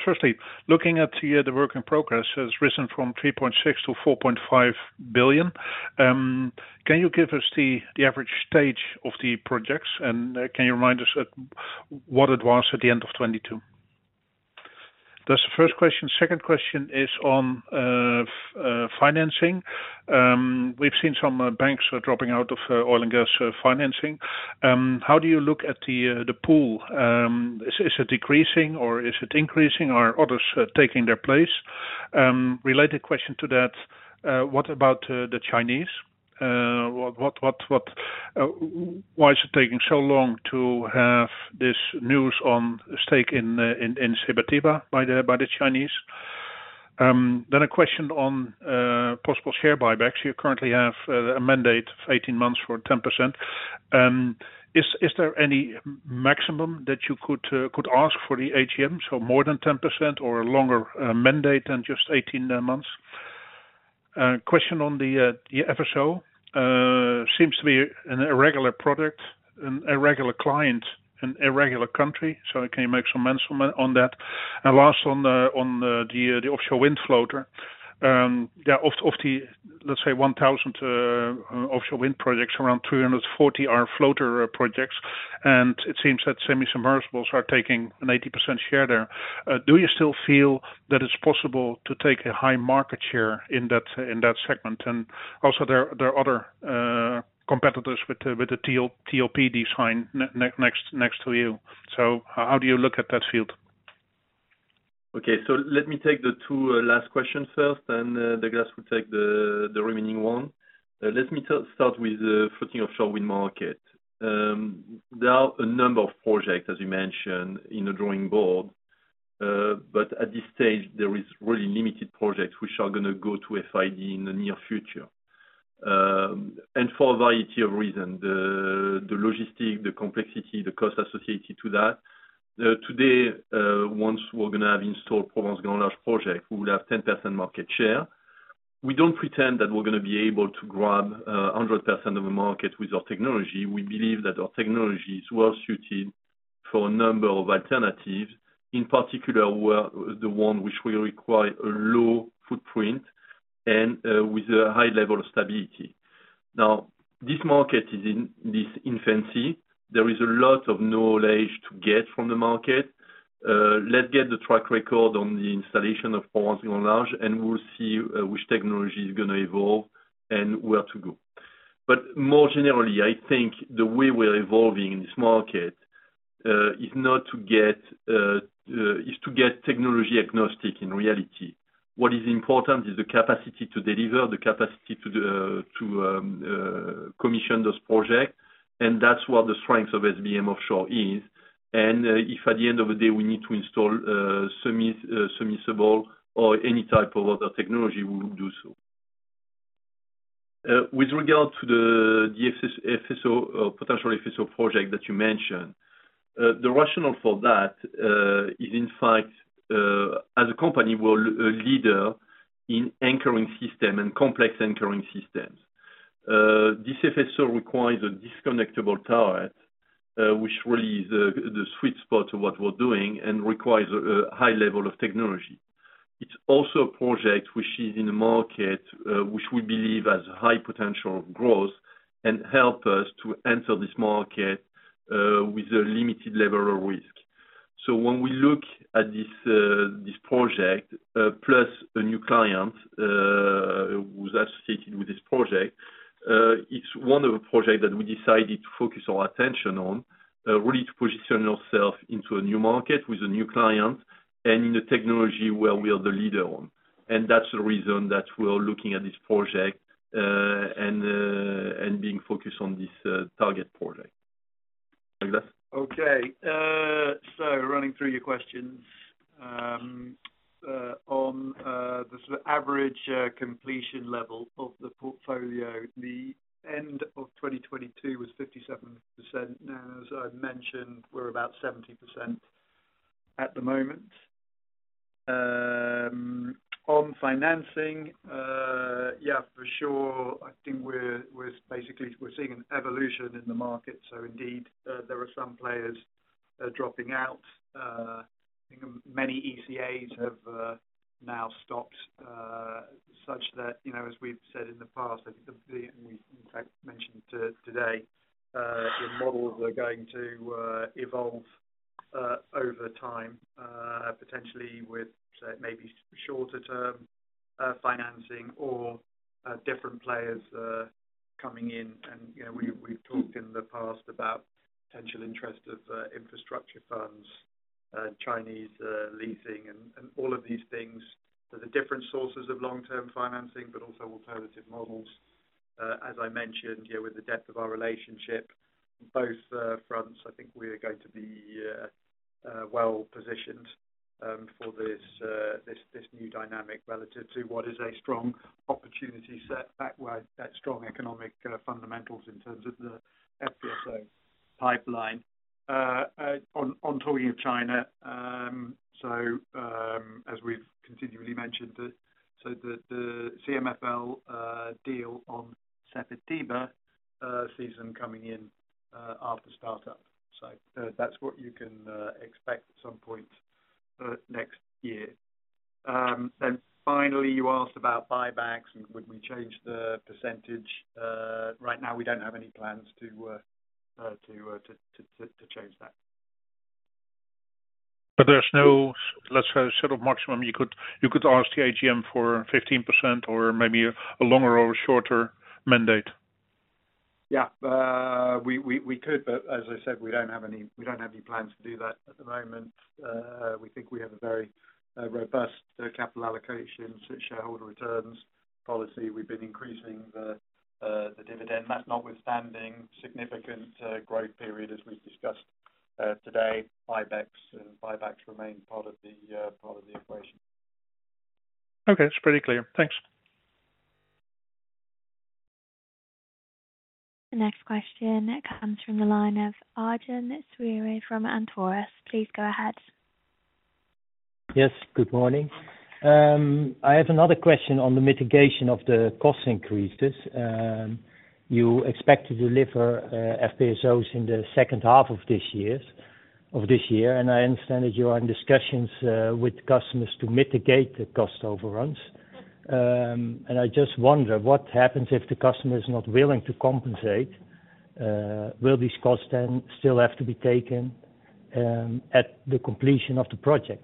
Speaker 7: Firstly, looking at the, the work in progress has risen from $3.6 billion to $4.5 billion. Can you give us the, the average stage of the projects, and can you remind us at what it was at the end of 2022? That's the first question. Second question is on financing. We've seen some banks are dropping out of oil and gas financing. How do you look at the, the pool? Is, is it decreasing or is it increasing? Are others taking their place? Related question to that, what about the Chinese? What, what, what, what, why is it taking so long to have this news on stake in, in Sepetiba by the, by the Chinese? A question on possible share buybacks. You currently have a mandate of 18 months for 10%. Is there any maximum that you could ask for the AGM? More than 10% or longer mandate than just 18 months? Question on the FSO seems to be an irregular product, an irregular client, an irregular country, so can you make some mention on that? Last on the offshore wind floater. Of the, let's say, 1,000 offshore wind projects, around 340 are floater projects, and it seems that semi-submersibles are taking an 80% share there. Do you still feel that it's possible to take a high market share in that, in that segment? There are other competitors with, with the TLP design next, next to you. How do you look at that field?
Speaker 2: Okay, let me take the two last questions first. Douglas will take the remaining one. Let me start, start with the floating offshore wind market. There are a number of projects, as you mentioned, in the drawing board, at this stage there is really limited projects which are going to go to FID in the near future. For a variety of reasons, the logistic, the complexity, the cost associated to that. Today, once we're going to have installed Provence Grand Large project, we will have 10% market share. We don't pretend that we're going to be able to grab 100% of the market with our technology. We believe that our technology is well suited for a number of alternatives, in particular, where the one which will require a low footprint and with a high level of stability. Now, this market is in this infancy. There is a lot of knowledge to get from the market. Let's get the track record on the installation of Provence Grand Large, and we'll see which technology is going to evolve and where to go. More generally, I think the way we're evolving in this market is not to get is to get technology agnostic in reality. What is important is the capacity to deliver, the capacity to the to commission those projects, and that's what the strengths of SBM Offshore is. If at the end of the day, we need to install semi submersible or any type of other technology, we will do so. With regard to the, the SS- FSO, potential FSO project that you mentioned, the rationale for that is in fact, as a company, we're a leader in anchoring system and complex anchoring systems. This FSO requires a disconnectable turret, which really is the, the sweet spot of what we're doing and requires a high level of technology. It's also a project which is in the market, which we believe has high potential growth and help us to enter this market with a limited level of risk. When we look at this, this project, plus a new client, who's associated with this project, it's one of the projects that we decided to focus our attention on, really to position ourselves into a new market with a new client and in a technology where we are the leader on. That's the reason that we're looking at this project, and being focused on this target project. Douglas?
Speaker 3: Okay. Running through your questions, on the sort of average completion level of the portfolio, the end of 2022 was 57%. Now, as I mentioned, we're about 70% at the moment. On financing, yeah, for sure. I think we're, we're seeing an evolution in the market, indeed, there are some players dropping out. I think many ECAs have now stopped, such that, you know, as we've said in the past, I think the, the, we in fact mentioned today, the models are going to evolve over time, potentially with maybe shorter term financing or different players coming in. You know, we've, we've talked in the past about potential interest of infrastructure funds, Chinese leasing and, and all of these things. The different sources of long-term financing, but also alternative models. As I mentioned, you know, with the depth of our relationship, both fronts, I think we are going to be well-positioned for this, this, this new dynamic relative to what is a strong opportunity set that where that strong economic fundamentals in terms of the FPSO pipeline. On, on talking of China, as we've continually mentioned, the so the, the CMFL deal on Sepetiba season coming in after startup. That's what you can expect at some point next year. And finally, you asked about buybacks and would we change the percentage? Right now, we don't have any plans to, to, to, to, change that.
Speaker 7: There's no, let's say, sort of maximum you could, you could ask the AGM for 15% or maybe a longer or a shorter mandate.
Speaker 3: Yeah. We, we, we could, but as I said, we don't have any, we don't have any plans to do that at the moment. We think we have a very robust capital allocation, shareholder returns policy. We've been increasing the dividend. That notwithstanding significant growth period, as we've discussed today, buybacks and buybacks remain part of the part of the equation.
Speaker 7: Okay. It's pretty clear. Thanks.
Speaker 1: The next question comes from the line of Arjan Sweere from Antaurus. Please go ahead.
Speaker 10: Yes, good morning. I have another question on the mitigation of the cost increases. You expect to deliver FPSOs in the second half of this years, of this year. I understand that you are in discussions with customers to mitigate the cost overruns. I just wonder, what happens if the customer is not willing to compensate? Will these costs then still have to be taken at the completion of the project?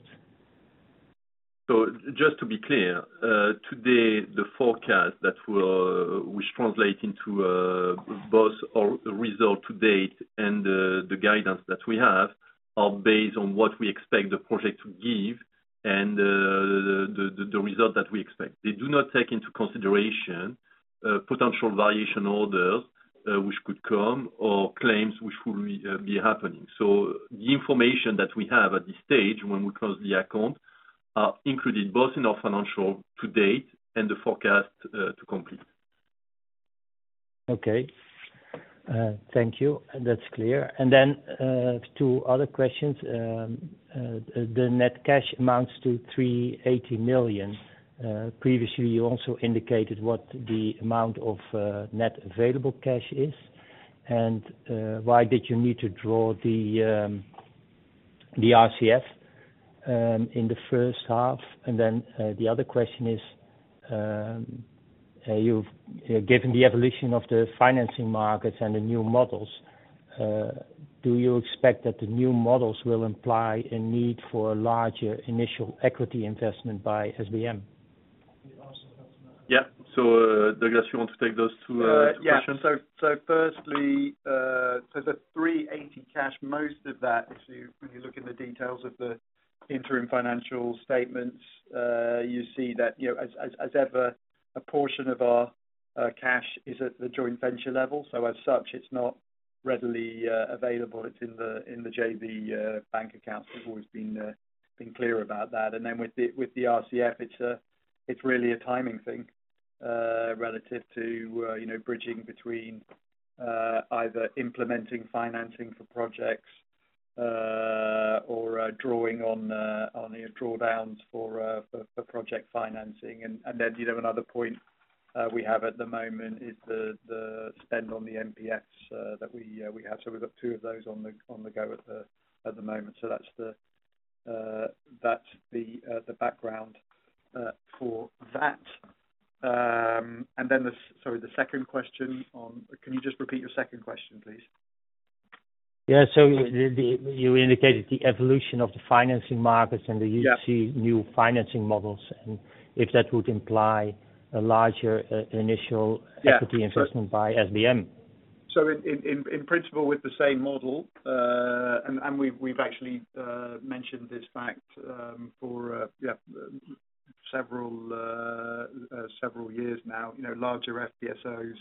Speaker 2: Just to be clear, today, the forecast that will, which translate into, both our result to date and the, the guidance that we have, are based on what we expect the project to give and, the, the, the result that we expect. They do not take into consideration, potential variation orders, which could come, or claims which will be, be happening. The information that we have at this stage when we close the account, are included both in our financial to date and the forecast, to complete.
Speaker 10: Okay. Thank you. That's clear. Two other questions. The net cash amounts to $380 million. Previously, you also indicated what the amount of net available cash is, why did you need to draw the RCF in the first half? The other question is, you've given the evolution of the financing markets and the new models, do you expect that the new models will imply a need for a larger initial equity investment by SBM?
Speaker 2: Yeah. Douglas, you want to take those 2 questions?
Speaker 3: Yeah. Firstly, the $380 cash, most of that, if you when you look in the details of the interim financial statements, you see that, you know, as, as, as ever, a portion of our cash is at the joint venture level. As such, it's not readily available. It's in the JV bank account. We've always been clear about that. With the RCF, it's a, it's really a timing thing, relative to, you know, bridging between either implementing financing for projects, or drawing on your drawdowns for project financing. You know, another point we have at the moment is the spend on the MPFs that we have. We've got two of those on the, on the go at the, at the moment. That's the, that's the background for that. The... Can you just repeat your second question, please?
Speaker 10: Yeah. you indicated the evolution of the financing markets-
Speaker 3: Yeah
Speaker 10: You see new financing models, and if that would imply a larger, initial-
Speaker 3: Yeah
Speaker 11: - equity investment by SBM.
Speaker 3: In principle, with the same model, and we've, we've actually mentioned this fact, for yeah, several, several years now. You know, larger FPSOs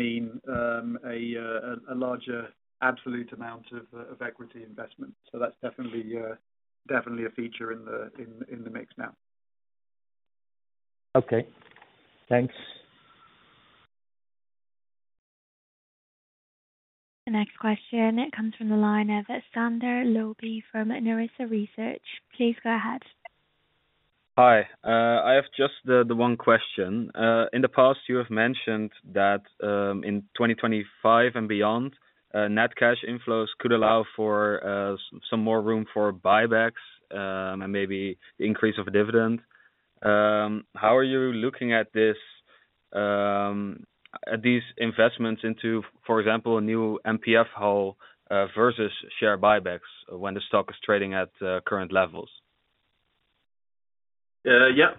Speaker 3: mean a larger absolute amount of equity investment. That's definitely a, definitely a feature in the mix now.
Speaker 11: Okay, thanks.
Speaker 1: The next question comes from the line of Sander Looby from Nerissa Research. Please go ahead.
Speaker 11: Hi, I have just the one question. In the past, you have mentioned that in 2025 and beyond, net cash inflows could allow for some more room for buybacks and maybe increase of dividend. How are you looking at this, at these investments into, for example, a new MPF hull versus share buybacks when the stock is trading at current levels? Yeah.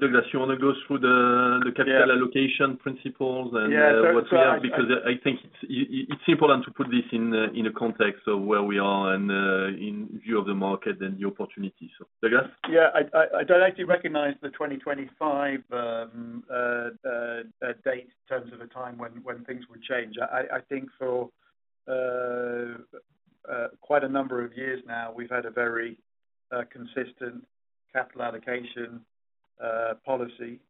Speaker 11: Douglas, you want to go through the capital-allocation principles and what we have? Because I think it's important to put this in a context of where we are and in view of the market and the opportunity. Douglas?
Speaker 3: Yeah, I, I, I don't actually recognize the 2025 date in terms of a time when, when things will change. I, I think for quite a number of years now, we've had a very consistent capital allocation policy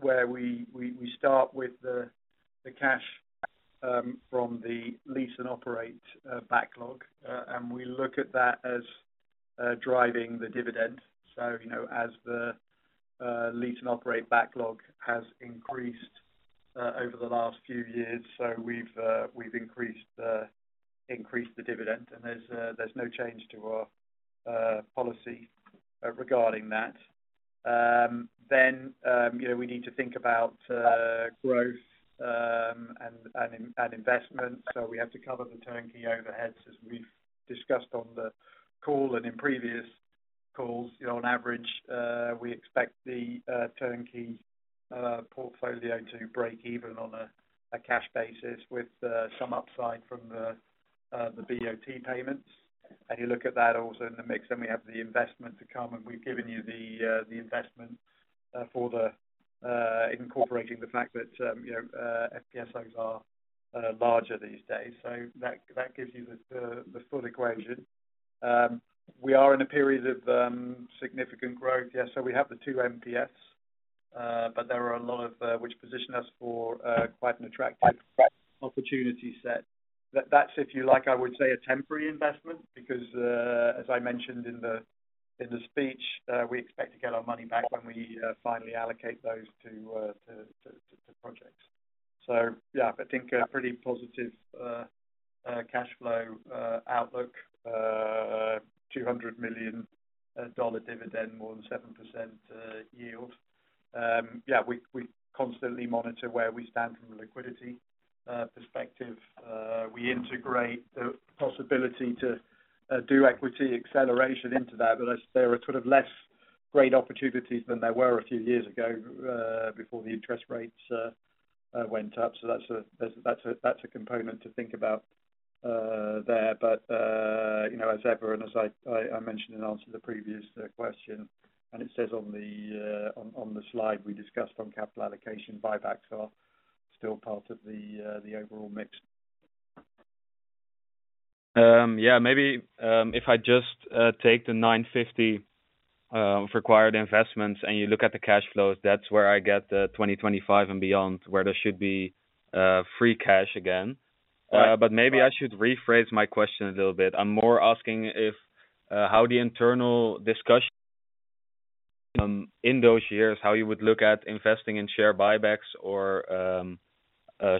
Speaker 3: where we, we, we start with the, the cash from the Lease and Operate backlog. We look at that as driving the dividend. You know, as the Lease and Operate backlog has increased over the last few years, so we've increased the, increased the dividend, and there's no change to our policy regarding that. Then, you know, we need to think about growth and, and, and investment. We have to cover the turnkey overheads, as we've discussed on the call and in previous calls. You know, on average, we expect the turnkey portfolio to break even on a cash basis with some upside from the BOT payments. You look at that also in the mix, then we have the investment to come, and we've given you the investment for the incorporating the fact that, you know, FPSOs are larger these days. That, that gives you the full equation. We are in a period of significant growth. Yeah, we have the two MPFs, but there are a lot of which position us for quite an attractive opportunity set. That, that's if you like, I would say, a temporary investment, because, as I mentioned in the, in the speech, we expect to get our money back when we, finally allocate those to, to, to, to projects. Yeah, I think a pretty positive, cash flow, outlook, $200 million dividend, more than 7% yield. Yeah, we, we constantly monitor where we stand from a liquidity, perspective. We integrate the possibility to, do equity acceleration into that, but there are sort of less great opportunities than there were a few years ago, before the interest rates, went up. That's a, that's a, that's a component to think about, there. You know, as ever, and as I, I, I mentioned in answer to the previous question, and it says on the on the slide, we discussed on capital allocation, buybacks are still part of the overall mix. Yeah, maybe, if I just take the $950 required investments, and you look at the cash flows, that's where I get the 2025 and beyond, where there should be free cash again. Right. Maybe I should rephrase my question a little bit. I'm more asking if how the internal discussion, in those years, how you would look at investing in share buybacks or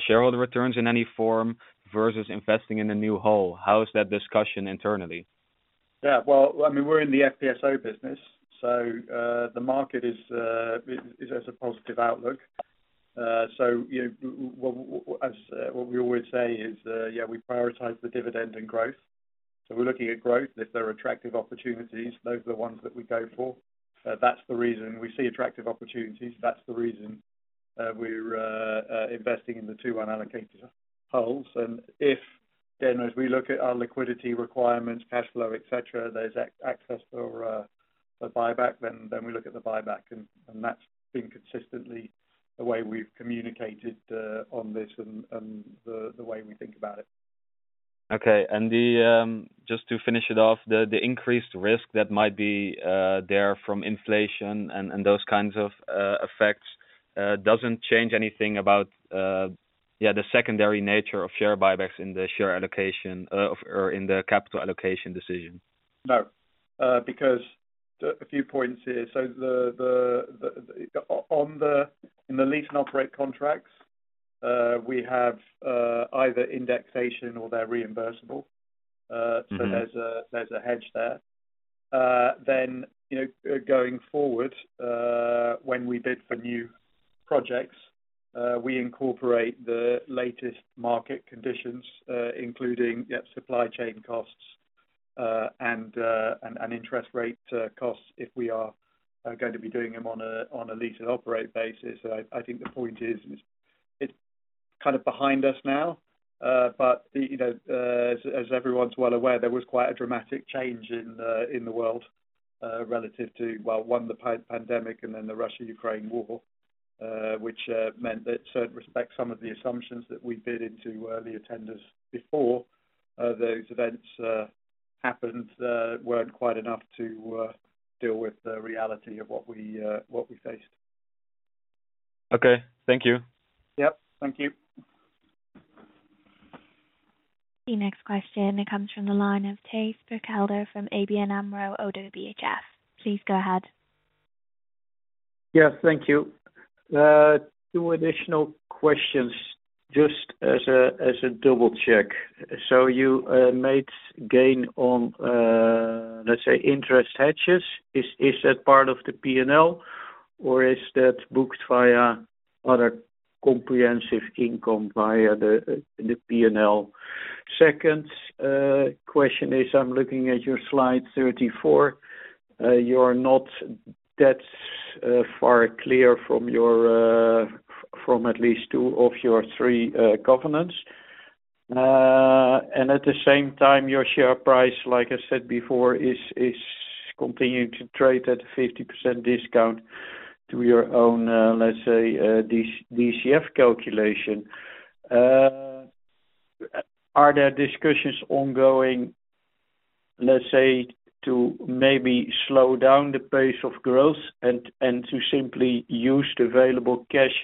Speaker 3: shareholder returns in any form versus investing in a new hull. How is that discussion internally? Yeah, well, I mean, we're in the FPSO business, so the market is as a positive outlook. You know, as what we always say is, yeah, we prioritize the dividend and growth. We're looking at growth. If there are attractive opportunities, those are the ones that we go for. That's the reason we see attractive opportunities. That's the reason, we're investing in the two unallocated hulls. If, then, as we look at our liquidity requirements, cash flow, et cetera, there's ac- access for a buyback, then, then we look at the buyback, and that's been consistently the way we've communicated on this and the way we think about it. Okay. Just to finish it off, the increased risk that might be there from inflation and those kinds of effects, doesn't change anything about the secondary nature of share buybacks in the share allocation or in the capital allocation decision? No, because a few points here. So on the in the Lease and Operate contracts, we have either indexation or they're reimbursable. Mm-hmm, so there's a hedge there. Then, you know, going forward, when we bid for new projects, we incorporate the latest market conditions, including supply chain costs and interest rate costs if we are going to be doing them on a Lease and Operate basis. I, I think the point is, it's kind of behind us now, but, you know, as, as everyone's well aware, there was quite a dramatic change in the, in the world, relative to, well, one, the pandemic and then the Russia-Ukraine war, which meant that in respect some of the assumptions that we bid into early attenders before those events happened, weren't quite enough to deal with the reality of what we faced.
Speaker 11: Okay. Thank you.
Speaker 3: Yep. Thank you....
Speaker 1: The next question comes from the line of Thijs Berkelder from ABN AMRO ODDO-BHF. Please go ahead.
Speaker 8: Yeah, thank you. Two additional questions, just as a, as a double check. You made gain on, let's say, interest hedges. Is, is that part of the P&L, or is that booked via other comprehensive income via the, the P&L? Second, question is, I'm looking at your slide 34. You are not that, far clear from your, from at least two of your three, covenants. And at the same time, your share price, like I said before, is, is continuing to trade at 50% discount to your own, let's say, DCF calculation. Are there discussions ongoing, let's say, to maybe slow down the pace of growth and, and to simply use the available cash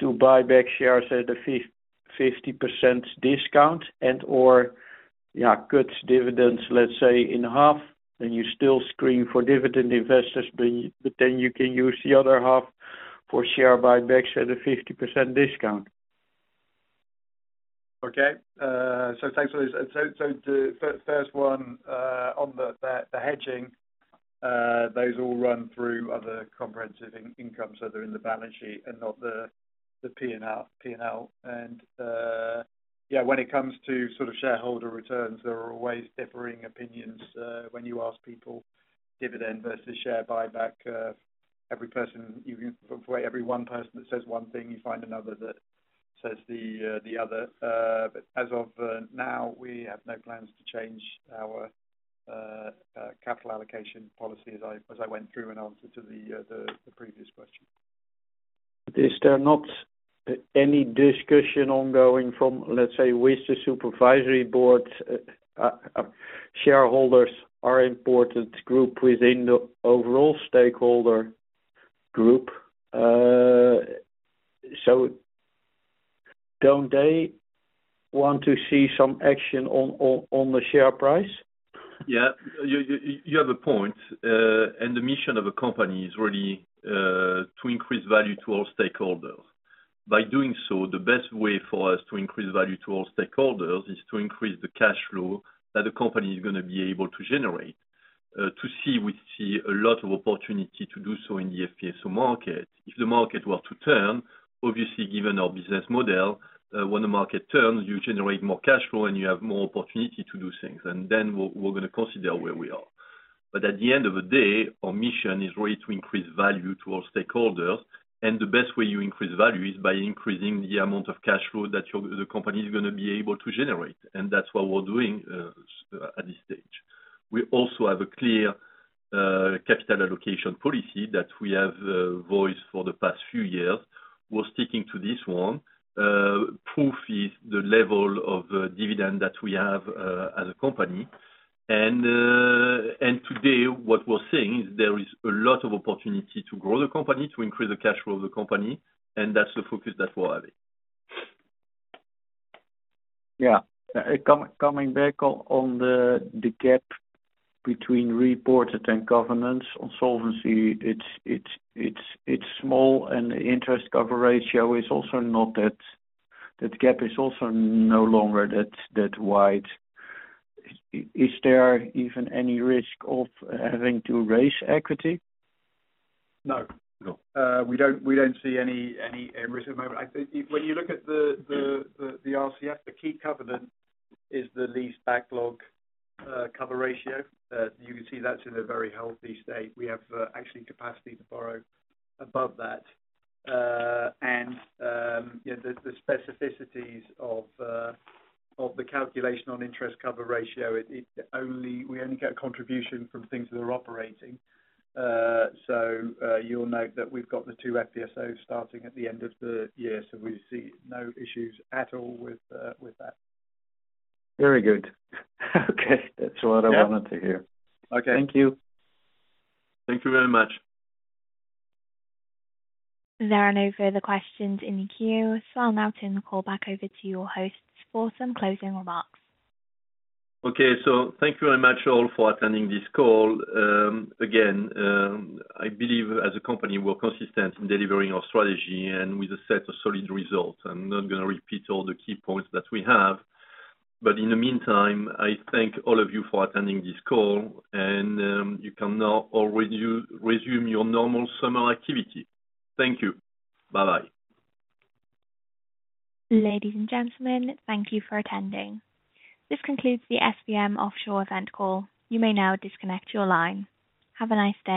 Speaker 8: to buy back shares at a 50% discount and, or, yeah, cut dividends, let's say, in half, and you still screen for dividend investors, but, but then you can use the other half for share buybacks at a 50% discount?
Speaker 3: Okay, thanks for this. The first one, on the hedging, those all run through other comprehensive income, so they're in the balance sheet and not the P&L. Yeah, when it comes to sort of shareholder returns, there are always differing opinions, when you ask people dividend versus share buyback, every person for every 1 person that says 1 thing, you find another that says the other. As of now, we have no plans to change our capital allocation policy as I went through in answer to the previous question.
Speaker 8: Is there not any discussion ongoing from, let's say, with the supervisory board? Shareholders are important group within the overall stakeholder group. Don't they want to see some action on, on, on the share price?
Speaker 2: Yeah, you, you, you have a point. The mission of a company is really to increase value to all stakeholders. By doing so, the best way for us to increase value to all stakeholders, is to increase the cash flow that the company is gonna be able to generate. We see a lot of opportunity to do so in the FPSO market. If the market were to turn, obviously, given our business model, when the market turns, you generate more cash flow and you have more opportunity to do things. Then we're gonna consider where we are. At the end of the day, our mission is really to increase value to all stakeholders, and the best way you increase value is by increasing the amount of cash flow that the company is gonna be able to generate, and that's what we're doing at this stage. We also have a clear capital allocation policy that we have voiced for the past few years. We're sticking to this one. Proof is the level of dividend that we have as a company. Today, what we're seeing is there is a lot of opportunity to grow the company, to increase the cash flow of the company, and that's the focus that we're having.
Speaker 8: Yeah. coming back on, on the, the gap between reported and governance on solvency, it's, it's, it's, it's small, and the interest cover ratio is also not that. That gap is also no longer that, that wide. Is, is there even any risk of having to raise equity?
Speaker 3: No.
Speaker 2: No.
Speaker 3: We don't, we don't see any, any risk at the moment. I think if when you look at the, the, the RCF, the key covenant is the lease backlog, cover ratio. You can see that's in a very healthy state. We have actually capacity to borrow above that. Yeah, the specificities of the calculation on interest cover ratio, it only we only get contribution from things that are operating. You'll note that we've got the two FPSOs starting at the end of the year, so we see no issues at all with that.
Speaker 8: Very good. Okay, that's what I wanted to hear.
Speaker 3: Yeah. Okay.
Speaker 8: Thank you.
Speaker 2: Thank you very much.
Speaker 1: There are no further questions in the queue, so I'll now turn the call back over to your hosts for some closing remarks.
Speaker 2: Thank you very much all for attending this call. Again, I believe as a company, we're consistent in delivering our strategy and with a set of solid results. I'm not gonna repeat all the key points that we have, but in the meantime, I thank all of you for attending this call, and you can now all resume, resume your normal summer activity. Thank you. Bye-bye.
Speaker 1: Ladies and gentlemen, thank you for attending. This concludes the SBM Offshore event call. You may now disconnect your line. Have a nice day.